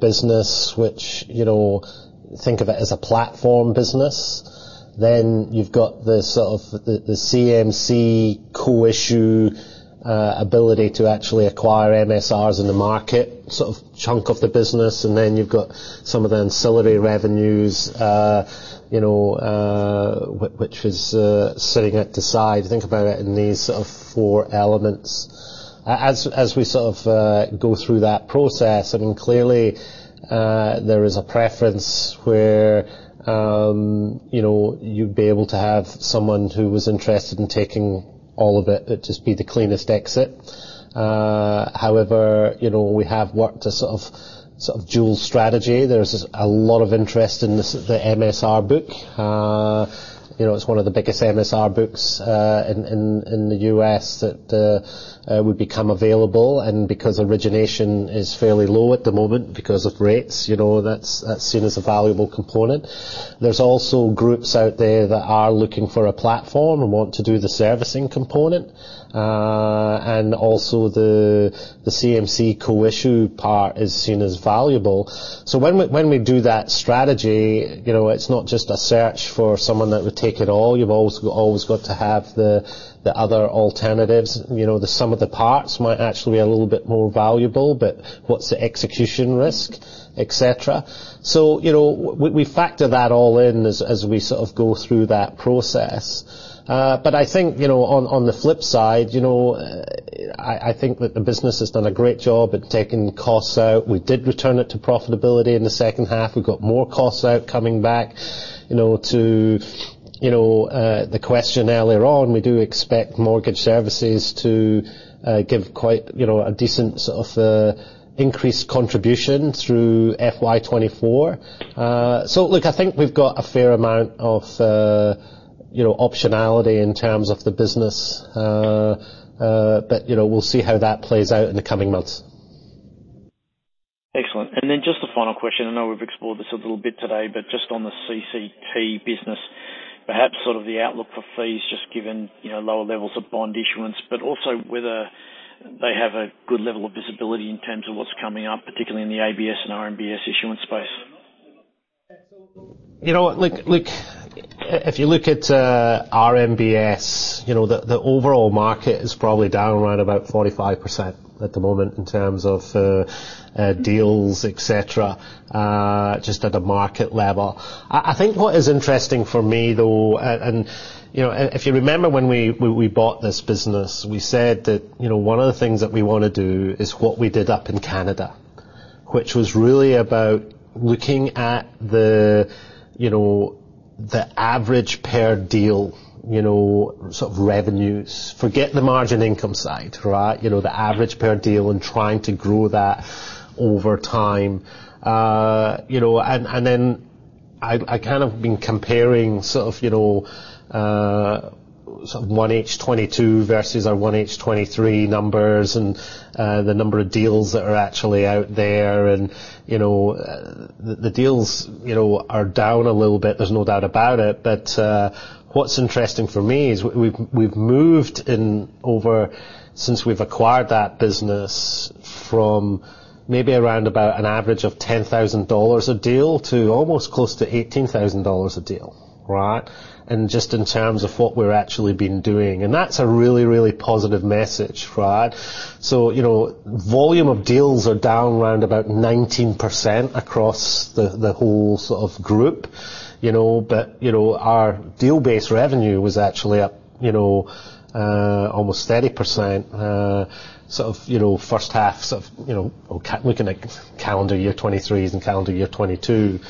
business, which, you know, think of it as a platform business. Then you've got the sort of the, the CMC co-issue ability to actually acquire MSRs in the market, sort of chunk of the business, and then you've got some of the ancillary revenues, you know, which is sitting at the side. Think about it in these sort of four elements. As, as we sort of go through that process, I mean, clearly, there is a preference where, you know, you'd be able to have someone who was interested in taking all of it. It'd just be the cleanest exit. However, you know, we have worked a sort of, sort of dual strategy. There's a lot of interest in this, the MSR book. You know, it's one of the biggest MSR books in the US that would become available, and because origination is fairly low at the moment, because of rates, you know, that's, that's seen as a valuable component. There's also groups out there that are looking for a platform and want to do the servicing component, and also the, the CMC co-issue part is seen as valuable. When we, when we do that strategy, you know, it's not just a search for someone that would take it all. You've always got to have the, the other alternatives. You know, the sum of the parts might actually be a little bit more valuable, but what's the execution risk, et cetera? You know, we, we factor that all in as, as we sort of go through that process. I think, you know, on, on the flip side, you know, I, I think that the business has done a great job at taking costs out. We did return it to profitability in the second half. We've got more costs out coming back. You know, to, you know, the question earlier on, we do expect Mortgage Services to give quite, you know, a decent sort of, increased contribution through FY 2024. Look, I think we've got a fair amount of, you know, optionality in terms of the business, but, you know, we'll see how that plays out in the coming months. Excellent. Just a final question, I know we've explored this a little bit today, but just on the CCT business, perhaps sort of the outlook for fees, just given, you know, lower levels of bond issuance, but also whether they have a good level of visibility in terms of what's coming up, particularly in the ABS and RMBS issuance space. You know what? Look, if you look at RMBS, you know, the overall market is probably down around about 45% at the moment in terms of deals, et cetera, just at a market level. I think what is interesting for me, though, and, you know, if you remember when we bought this business, we said that, you know, one of the things that we wanna do is what we did up in Canada, which was really about looking at the average per deal, you know, sort of revenues. Forget the margin income side, right? You know, the average per deal and trying to grow that over time. You know, and then I, I kind of been comparing sort of, you know, sort of 1H 2022 versus our 1H 2023 numbers and, the number of deals that are actually out there, and, you know, the, the deals, you know, are down a little bit, there's no doubt about it. What's interesting for me is we've, we've moved in over... since we've acquired that business from maybe around about an average of $10,000 a deal to almost close to $18,000 a deal, right? Just in terms of what we're actually been doing. That's a really, really positive message, right? You know, volume of deals are down around about 19% across the, the whole sort of group, you know, but, you know, our deal-based revenue was actually up, you know, almost 30%, sort of, you know, first half, sort of, you know, looking at calendar year 2023 and calendar year 2022.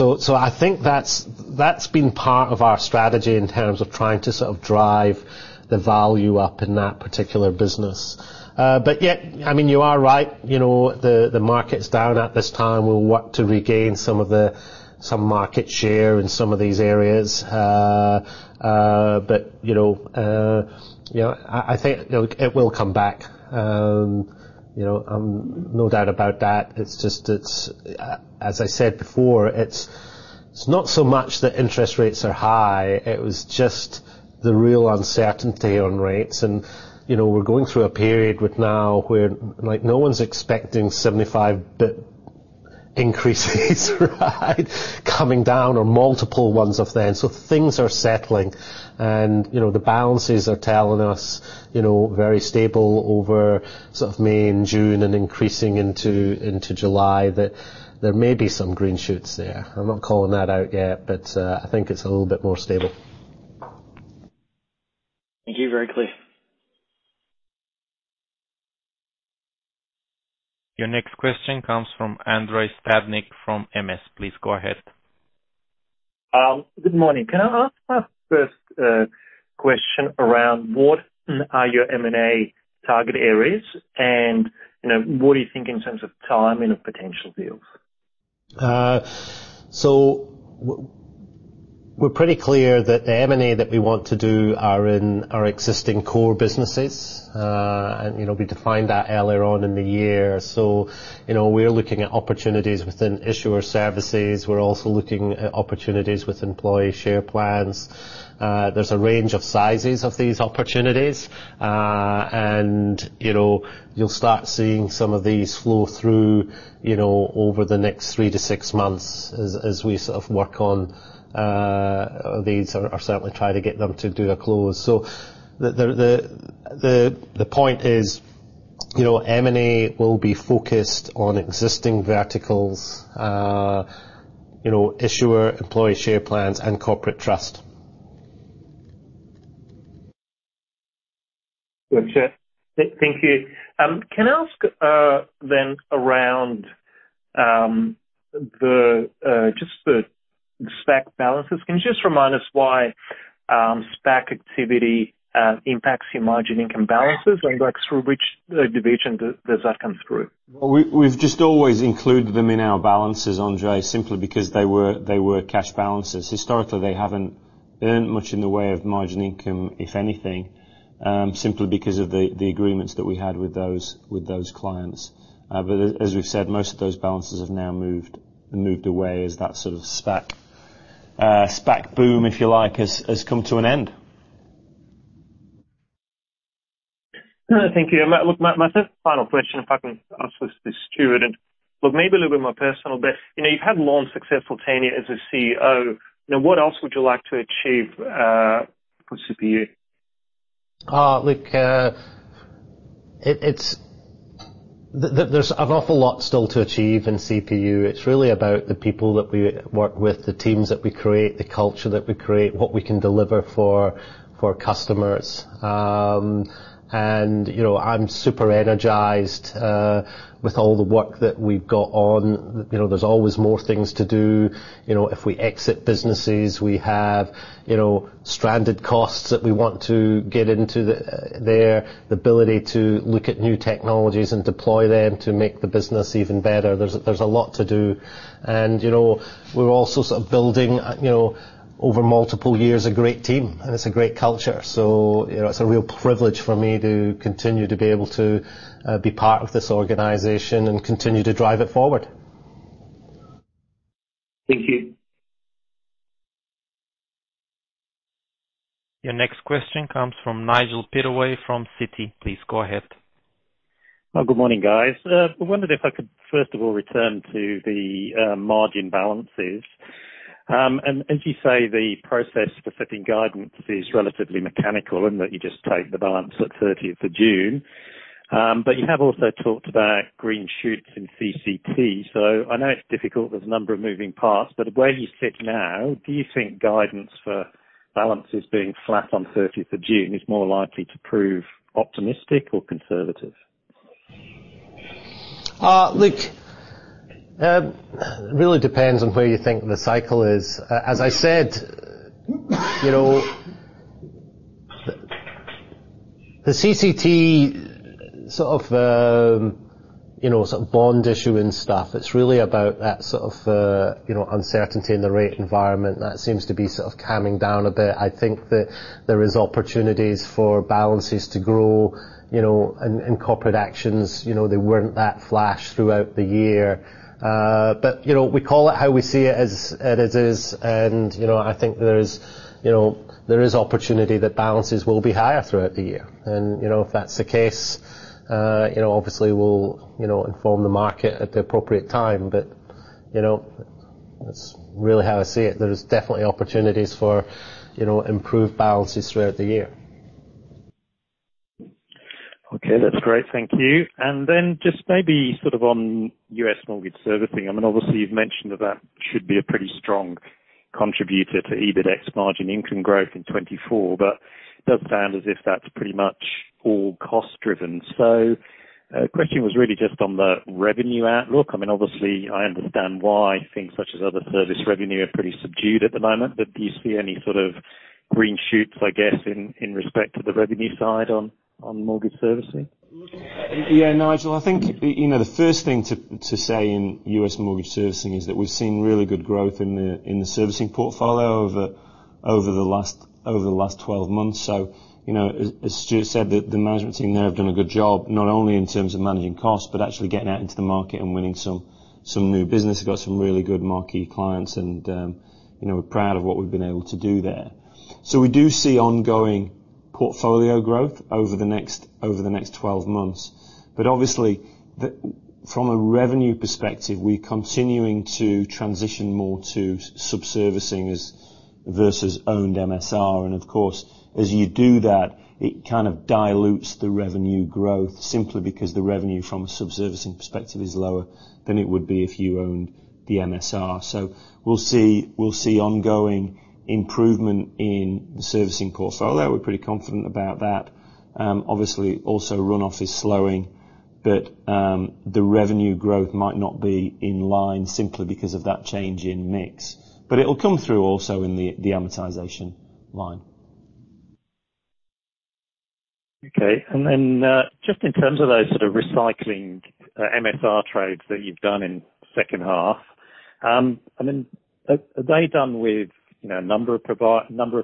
I think that's, that's been part of our strategy in terms of trying to sort of drive the value up in that particular business. Yet, I mean, you are right. You know, the, the market's down at this time. We'll work to regain some of some market share in some of these areas. You know, you know, I, I think, you know, it will come back. You know, no doubt about that. It's just, it's, as I said before, it's. It's not so much that interest rates are high, it was just the real uncertainty on rates. You know, we're going through a period with now, where, like, no one's expecting 75 basis point increases, right? Coming down or multiple ones of them. Things are settling, and, you know, the balances are telling us, you know, very stable over sort of May and June and increasing into, into July, that there may be some green shoots there. I'm not calling that out yet. I think it's a little bit more stable. Thank you. Very clear. Your next question comes from Andrei Stadnik from MS. Please go ahead. Good morning. Can I ask my first question around what are your M&A target areas? You know, what do you think in terms of timing of potential deals? We're pretty clear that the M&A that we want to do are in our existing core businesses. You know, we defined that earlier on in the year. You know, we're looking at opportunities within issuer services, we're also looking at opportunities with employee share plans. There's a range of sizes of these opportunities. You know, you'll start seeing some of these flow through, you know, over the next three to six months as, as we sort of work on these, or, or certainly try to get them to do a close. The point is, you know, M&A will be focused on existing verticals, you know, issuer, employee share plans, and corporate trust. Gotcha. Thank you. Can I ask, then, around the just the SPAC balances? Can you just remind us why SPAC activity impacts your margin income balances, and, like, through which division does that come through? Well, we've just always included them in our balances, Andre, simply because they were, they were cash balances. Historically, they haven't earned much in the way of margin income, if anything, simply because of the agreements that we had with those, with those clients. As we've said, most of those balances have now moved, moved away as that sort of SPAC, SPAC boom, if you like, has, has come to an end. Thank you. look, my, my final question, if I can ask this to Stuart, and look maybe a little bit more personal, but, you know, you've had long successful tenure as a CEO, now, what else would you like to achieve for CPU? Look, it's... There's an awful lot still to achieve in CPU. It's really about the people that we work with, the teams that we create, the culture that we create, what we can deliver for, for customers. You know, I'm super energized with all the work that we've got on. You know, there's always more things to do. You know, if we exit businesses, we have, you know, stranded costs that we want to get into the, there. The ability to look at new technologies and deploy them to make the business even better. There's, there's a lot to do. And, you know, we're also sort of building, you know, over multiple years, a great team, and it's a great culture. You know, it's a real privilege for me to continue to be able to be part of this organization, and continue to drive it forward. Thank you. Your next question comes from Nigel Pittaway from Citi. Please go ahead. Good morning, guys. I wondered if I could, first of all, return to the margin balances. As you say, the process for setting guidance is relatively mechanical, in that you just take the balance at 30th of June. You have also talked about green shoots in CCT. I know it's difficult, there's a number of moving parts, but where you sit now, do you think guidance for balances being flat on 30th of June is more likely to prove optimistic or conservative? Look, it really depends on where you think the cycle is. As I said, you know, the CCT sort of, you know, sort of bond issuing stuff, it's really about that sort of, you know, uncertainty in the rate environment that seems to be sort of calming down a bit. I think that there is opportunities for balances to grow, you know, in, in corporate actions. You know, they weren't that flash throughout the year. But, you know, we call it how we see it as it is, and, you know, I think there's, you know, there is opportunity that balances will be higher throughout the year. And, you know, if that's the case, you know, obviously we'll, you know, inform the market at the appropriate time. But, you know, that's really how I see it. There's definitely opportunities for, you know, improved balances throughout the year. Okay. That's great. Thank you. Then just maybe sort of on US Mortgage Services, I mean, obviously you've mentioned that, that should be a pretty strong contributor to EBIT margin income growth in 2024, but it does sound as if that's pretty much all cost driven. Question was really just on the revenue outlook. I mean, obviously I understand why things such as other service revenue are pretty subdued at the moment, but do you see any sort of green shoots, I guess, in, in respect to the revenue side on, on mortgage servicing? Yeah, Nigel, I think, you know, the first thing to, to say in US mortgage servicing is that we've seen really good growth in the, in the servicing portfolio over-... over the last, over the last 12 months. You know, as, as Stuart said, the, the management team there have done a good job, not only in terms of managing costs, but actually getting out into the market and winning some, some new business. We've got some really good marquee clients, and, you know, we're proud of what we've been able to do there. We do see ongoing portfolio growth over the next, over the next 12 months. Obviously, the from a revenue perspective, we're continuing to transition more to sub-servicing as, versus owned MSR. Of course, as you do that, it kind of dilutes the revenue growth, simply because the revenue from a sub-servicing perspective is lower than it would be if you owned the MSR. We'll see, we'll see ongoing improvement in the servicing portfolio. We're pretty confident about that. Obviously, also, runoff is slowing, but the revenue growth might not be in line simply because of that change in mix. It'll come through also in the, the amortization line. Then, just in terms of those sort of recycling MSR trades that you've done in second half, I mean, are they done with, you know, a number of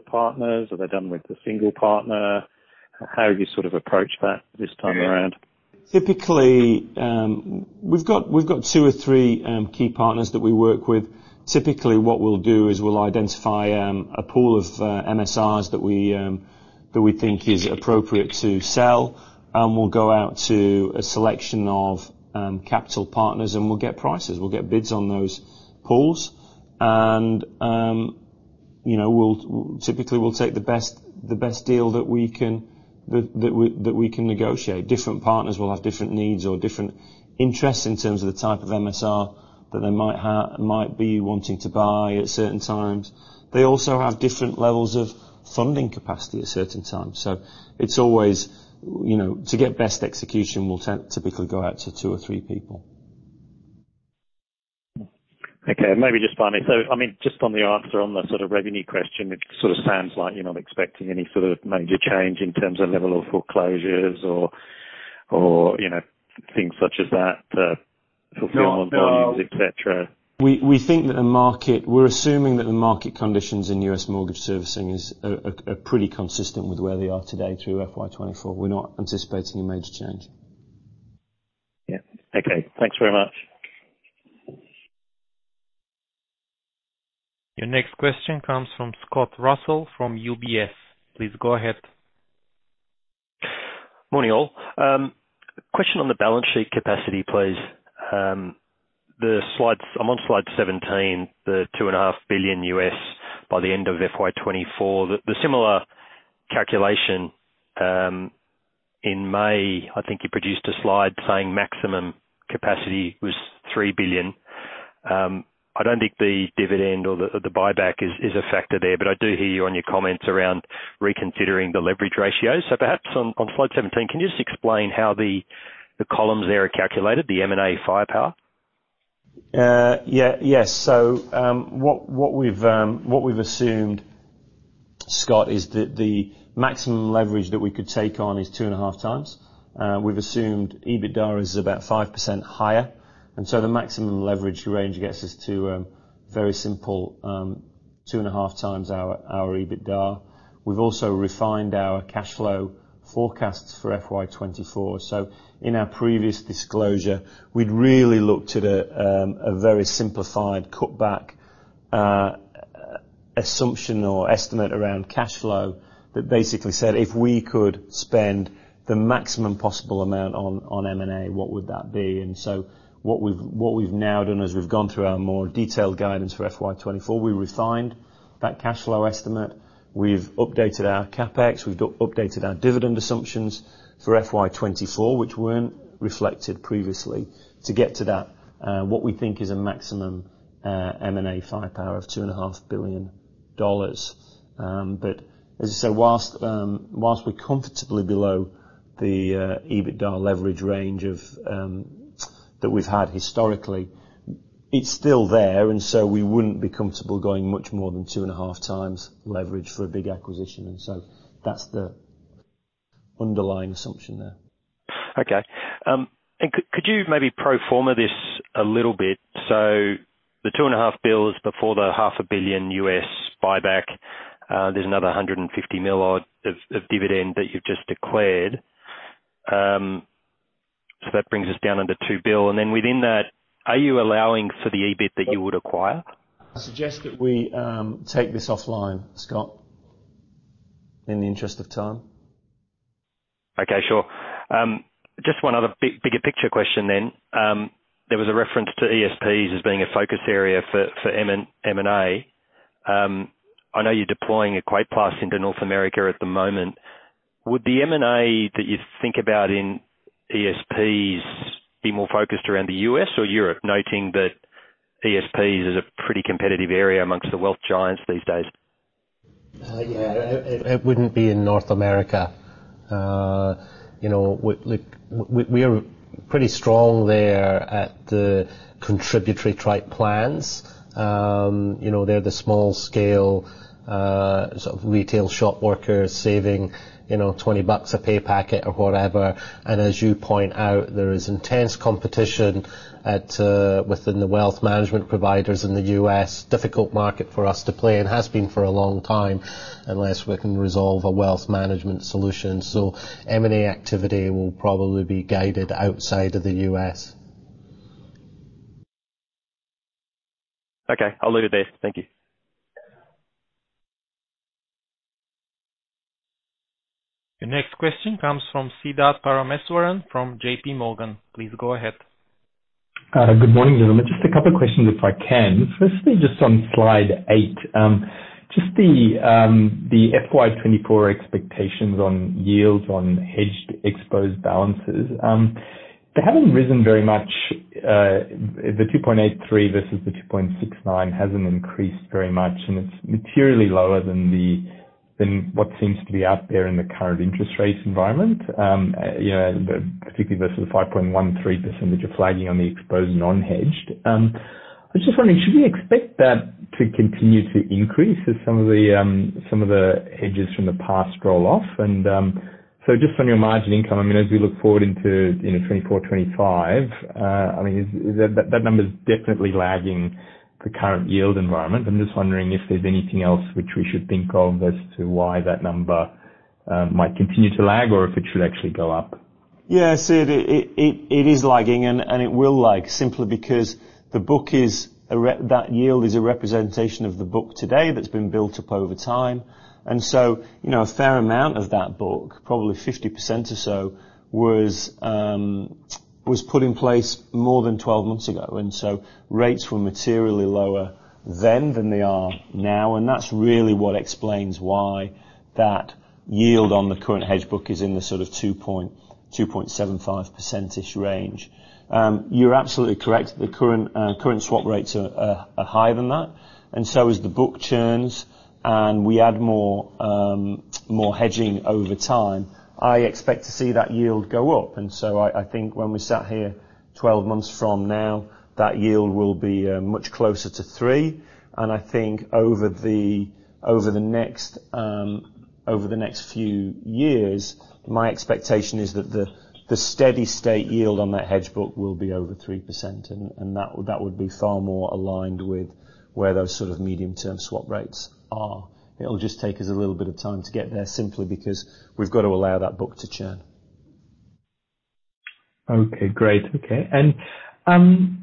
partners? Are they done with a single partner? How have you sort of approached that this time around? Typically, we've got, we've got two or three key partners that we work with. Typically, what we'll do is we'll identify a pool of MSRs that we that we think is appropriate to sell. We'll go out to a selection of capital partners, and we'll get prices. We'll get bids on those pools, and you know, we'll, typically, we'll take the best, the best deal that we can, that, that we, that we can negotiate. Different partners will have different needs or different interests in terms of the type of MSR that they might have, might be wanting to buy at certain times. They also have different levels of funding capacity at certain times. It's always, you know, to get best execution, we'll tend to typically go out to two or three people. Okay, maybe just finally, I mean, just on the answer, on the sort of revenue question, it sort of sounds like you're not expecting any sort of major change in terms of level of foreclosures or, or, you know, things such as that, fulfillment, volumes, et cetera. We, we think that We're assuming that the market conditions in US mortgage servicing are pretty consistent with where they are today through FY 2024. We're not anticipating a major change. Yeah. Okay. Thanks very much. Your next question comes from Scott Russell, from UBS. Please go ahead. Morning, all. Question on the balance sheet capacity, please. The slides... I'm on slide 17, the $2.5 billion by the end of FY 2024. The similar calculation in May, I think you produced a slide saying maximum capacity was $3 billion. I don't think the dividend or the buyback is a factor there, but I do hear you on your comments around reconsidering the leverage ratios. Perhaps on slide 17, can you just explain how the columns there are calculated, the M&A firepower? Yeah, yes. What, what we've, what we've assumed, Scott, is that the maximum leverage that we could take on is 2.5x. We've assumed EBITDA is about 5% higher, and so the maximum leverage range gets us to very simple 2.5 times our EBITDA. We've also refined our cash flow forecasts for FY 2024. In our previous disclosure, we'd really looked at a very simplified cutback assumption or estimate around cash flow, that basically said, if we could spend the maximum possible amount on M&A, what would that be? What we've, what we've now done is, we've gone through our more detailed guidance for FY 2024. We refined that cash flow estimate. We've updated our CapEx, we've updated our dividend assumptions for FY 2024, which weren't reflected previously, to get to that, what we think is a maximum M&A firepower of $2.5 billion. As I said, whilst we're comfortably below the EBITDA leverage range that we've had historically, it's still there, and so we wouldn't be comfortable going much more than 2.5x leverage for a big acquisition. That's the underlying assumption there. Could you maybe pro forma this a little bit? The $2.5 billion before the $500 million US buyback, there's another $150 million odd of dividend that you've just declared. That brings us down into $2 billion, and then within that, are you allowing for the EBIT that you would acquire? I suggest that we take this offline, Scott, in the interest of time. Okay, sure. Just one other bigger picture question then. There was a reference to ESPs as being a focus area for, for M&A. I know you're deploying EquatePlus into North America at the moment. Would the M&A that you think about in ESPs be more focused around the US or Europe, noting that ESPs is a pretty competitive area amongst the wealth giants these days? Yeah, it, it, it wouldn't be in North America. You know, we, like, we, we are pretty strong there at the contributory type plans. You know, they're the small scale, sort of retail shop workers saving, you know, $20 a pay packet or whatever. As you point out, there is intense competition at within the wealth management providers in the US. Difficult market for us to play, and has been for a long time, unless we can resolve a wealth management solution. M&A activity will probably be guided outside of the US. Okay, I'll leave it there. Thank you. Your next question comes from Siddharth Parameswaran from JP Morgan. Please go ahead. Good morning, gentlemen. Just a couple of questions, if I can. Firstly, just on slide eight, just the FY 2024 expectations on yields on hedged exposed balances. They haven't risen very much, the 2.83 versus the 2.69 hasn't increased very much, and it's materially lower than the, than what seems to be out there in the current interest rate environment. You know, particularly versus the 5.13%, which you're flagging on the exposed non-hedged. I was just wondering, should we expect that to continue to increase as some of the, some of the hedges from the past roll-off? Just on your margin income, I mean, as we look forward into, you know, 2024, 2025, I mean, that number is definitely lagging the current yield environment. I'm just wondering if there's anything else which we should think of as to why that number might continue to lag, or if it should actually go up? Yeah, Sid, it, it, it is lagging, and, and it will lag simply because the book is a representation of the book today that's been built up over time. So, you know, a fair amount of that book, probably 50% or so, was put in place more than 12 months ago, so rates were materially lower then than they are now. That's really what explains why that yield on the current hedge book is in the sort of 2.75%ish range. You're absolutely correct. The current current swap rates are, are, are higher than that, so as the book churns and we add more hedging over time, I expect to see that yield go up. I, I think when we sat here 12 months from now, that yield will be much closer to 3. I think over the, over the next, over the next few years, my expectation is that the, the steady state yield on that hedge book will be over 3%, and that would, that would be far more aligned with where those sort of medium-term swap rates are. It'll just take us a little bit of time to get there, simply because we've got to allow that book to churn. Okay, great. Okay.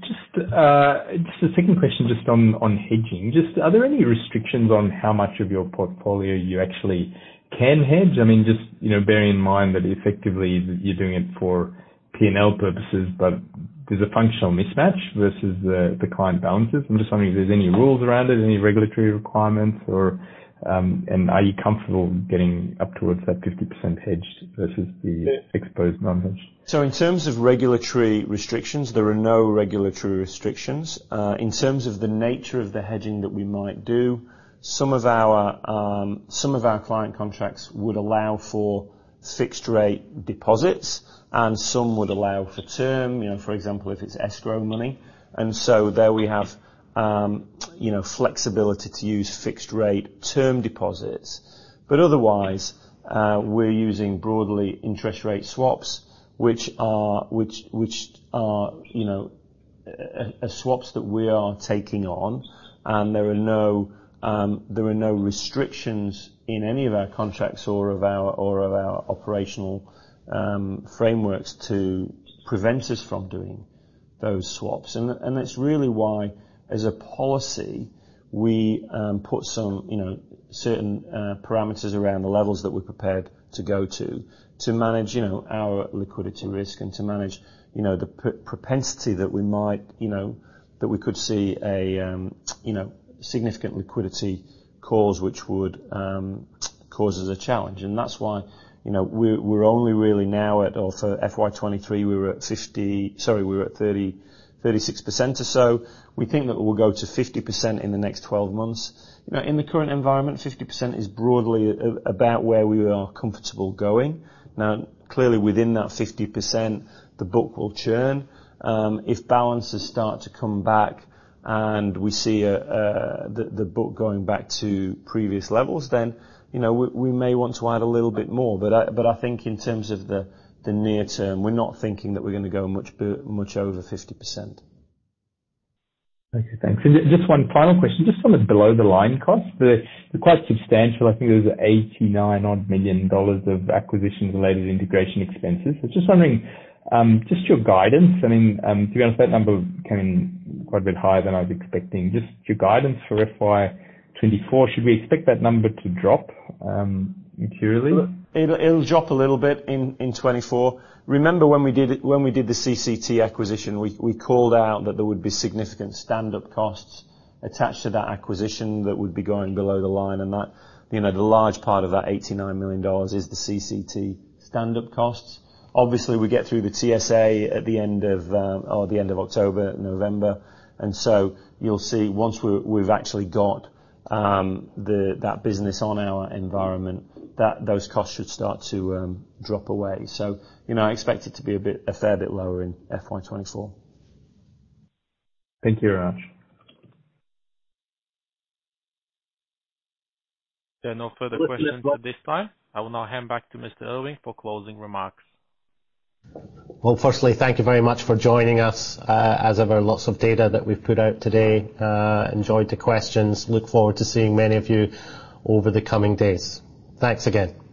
Just a second question just on, on hedging. Just are there any restrictions on how much of your portfolio you actually can hedge? I mean, just, you know, bearing in mind that effectively you're doing it for P&L purposes, but there's a functional mismatch versus the, the client balances. I'm just wondering if there's any rules around it, any regulatory requirements or... Are you comfortable getting up towards that 50% hedged versus the exposed non-hedged? In terms of regulatory restrictions, there are no regulatory restrictions. In terms of the nature of the hedging that we might do, some of our client contracts would allow for fixed rate deposits, and some would allow for term, you know, for example, if it's escrow money. There we have, you know, flexibility to use fixed rate term deposits. Otherwise, we're using broadly interest rate swaps, which are, which, which are, you know, swaps that we are taking on, and there are no restrictions in any of our contracts or of our, or of our operational frameworks to prevent us from doing those swaps. That's really why, as a policy, we put some, you know, certain parameters around the levels that we're prepared to go to, to manage, you know, our liquidity risk and to manage, you know, the propensity that we might, you know, that we could see a, you know, significant liquidity cause, which would cause us a challenge. That's why, you know, we're only really now at... Or for FY 2023, we were at 50%, sorry, we were at 30%, 36% or so. We think that we'll go to 50% in the next 12 months. You know, in the current environment, 50% is broadly about where we are comfortable going. Now, clearly, within that 50%, the book will churn. If balances start to come back and we see a, the, the book going back to previous levels, then, you know, we, we may want to add a little bit more. I, but I think in terms of the, the near term, we're not thinking that we're gonna go much much over 50%. Okay, thanks. Just one final question, just on the below-the-line cost, the, the quite substantial, I think it was $89 odd million of acquisitions related to integration expenses. Just wondering, I mean, to be honest, that number came in quite a bit higher than I was expecting. Just your guidance for FY 2024, should we expect that number to drop materially? It'll, it'll drop a little bit in, in 2024. Remember when we did it... When we did the CCT acquisition, we, we called out that there would be significant stand-up costs attached to that acquisition that would be going below the line, and that, you know, the large part of that $89 million is the CCT stand-up costs. Obviously, we get through the TSA at the end of, or the end of October, November, you'll see once we've actually got, the, that business on our environment, that those costs should start to, drop away. You know, I expect it to be a bit, a fair bit lower in FY 2024. Thank you, for your answer. There are no further questions at this time. I will now hand back to Mr. Irving for closing remarks. Well, firstly, thank you very much for joining us. as ever, lots of data that we've put out today. enjoyed the questions. Look forward to seeing many of you over the coming days. Thanks again.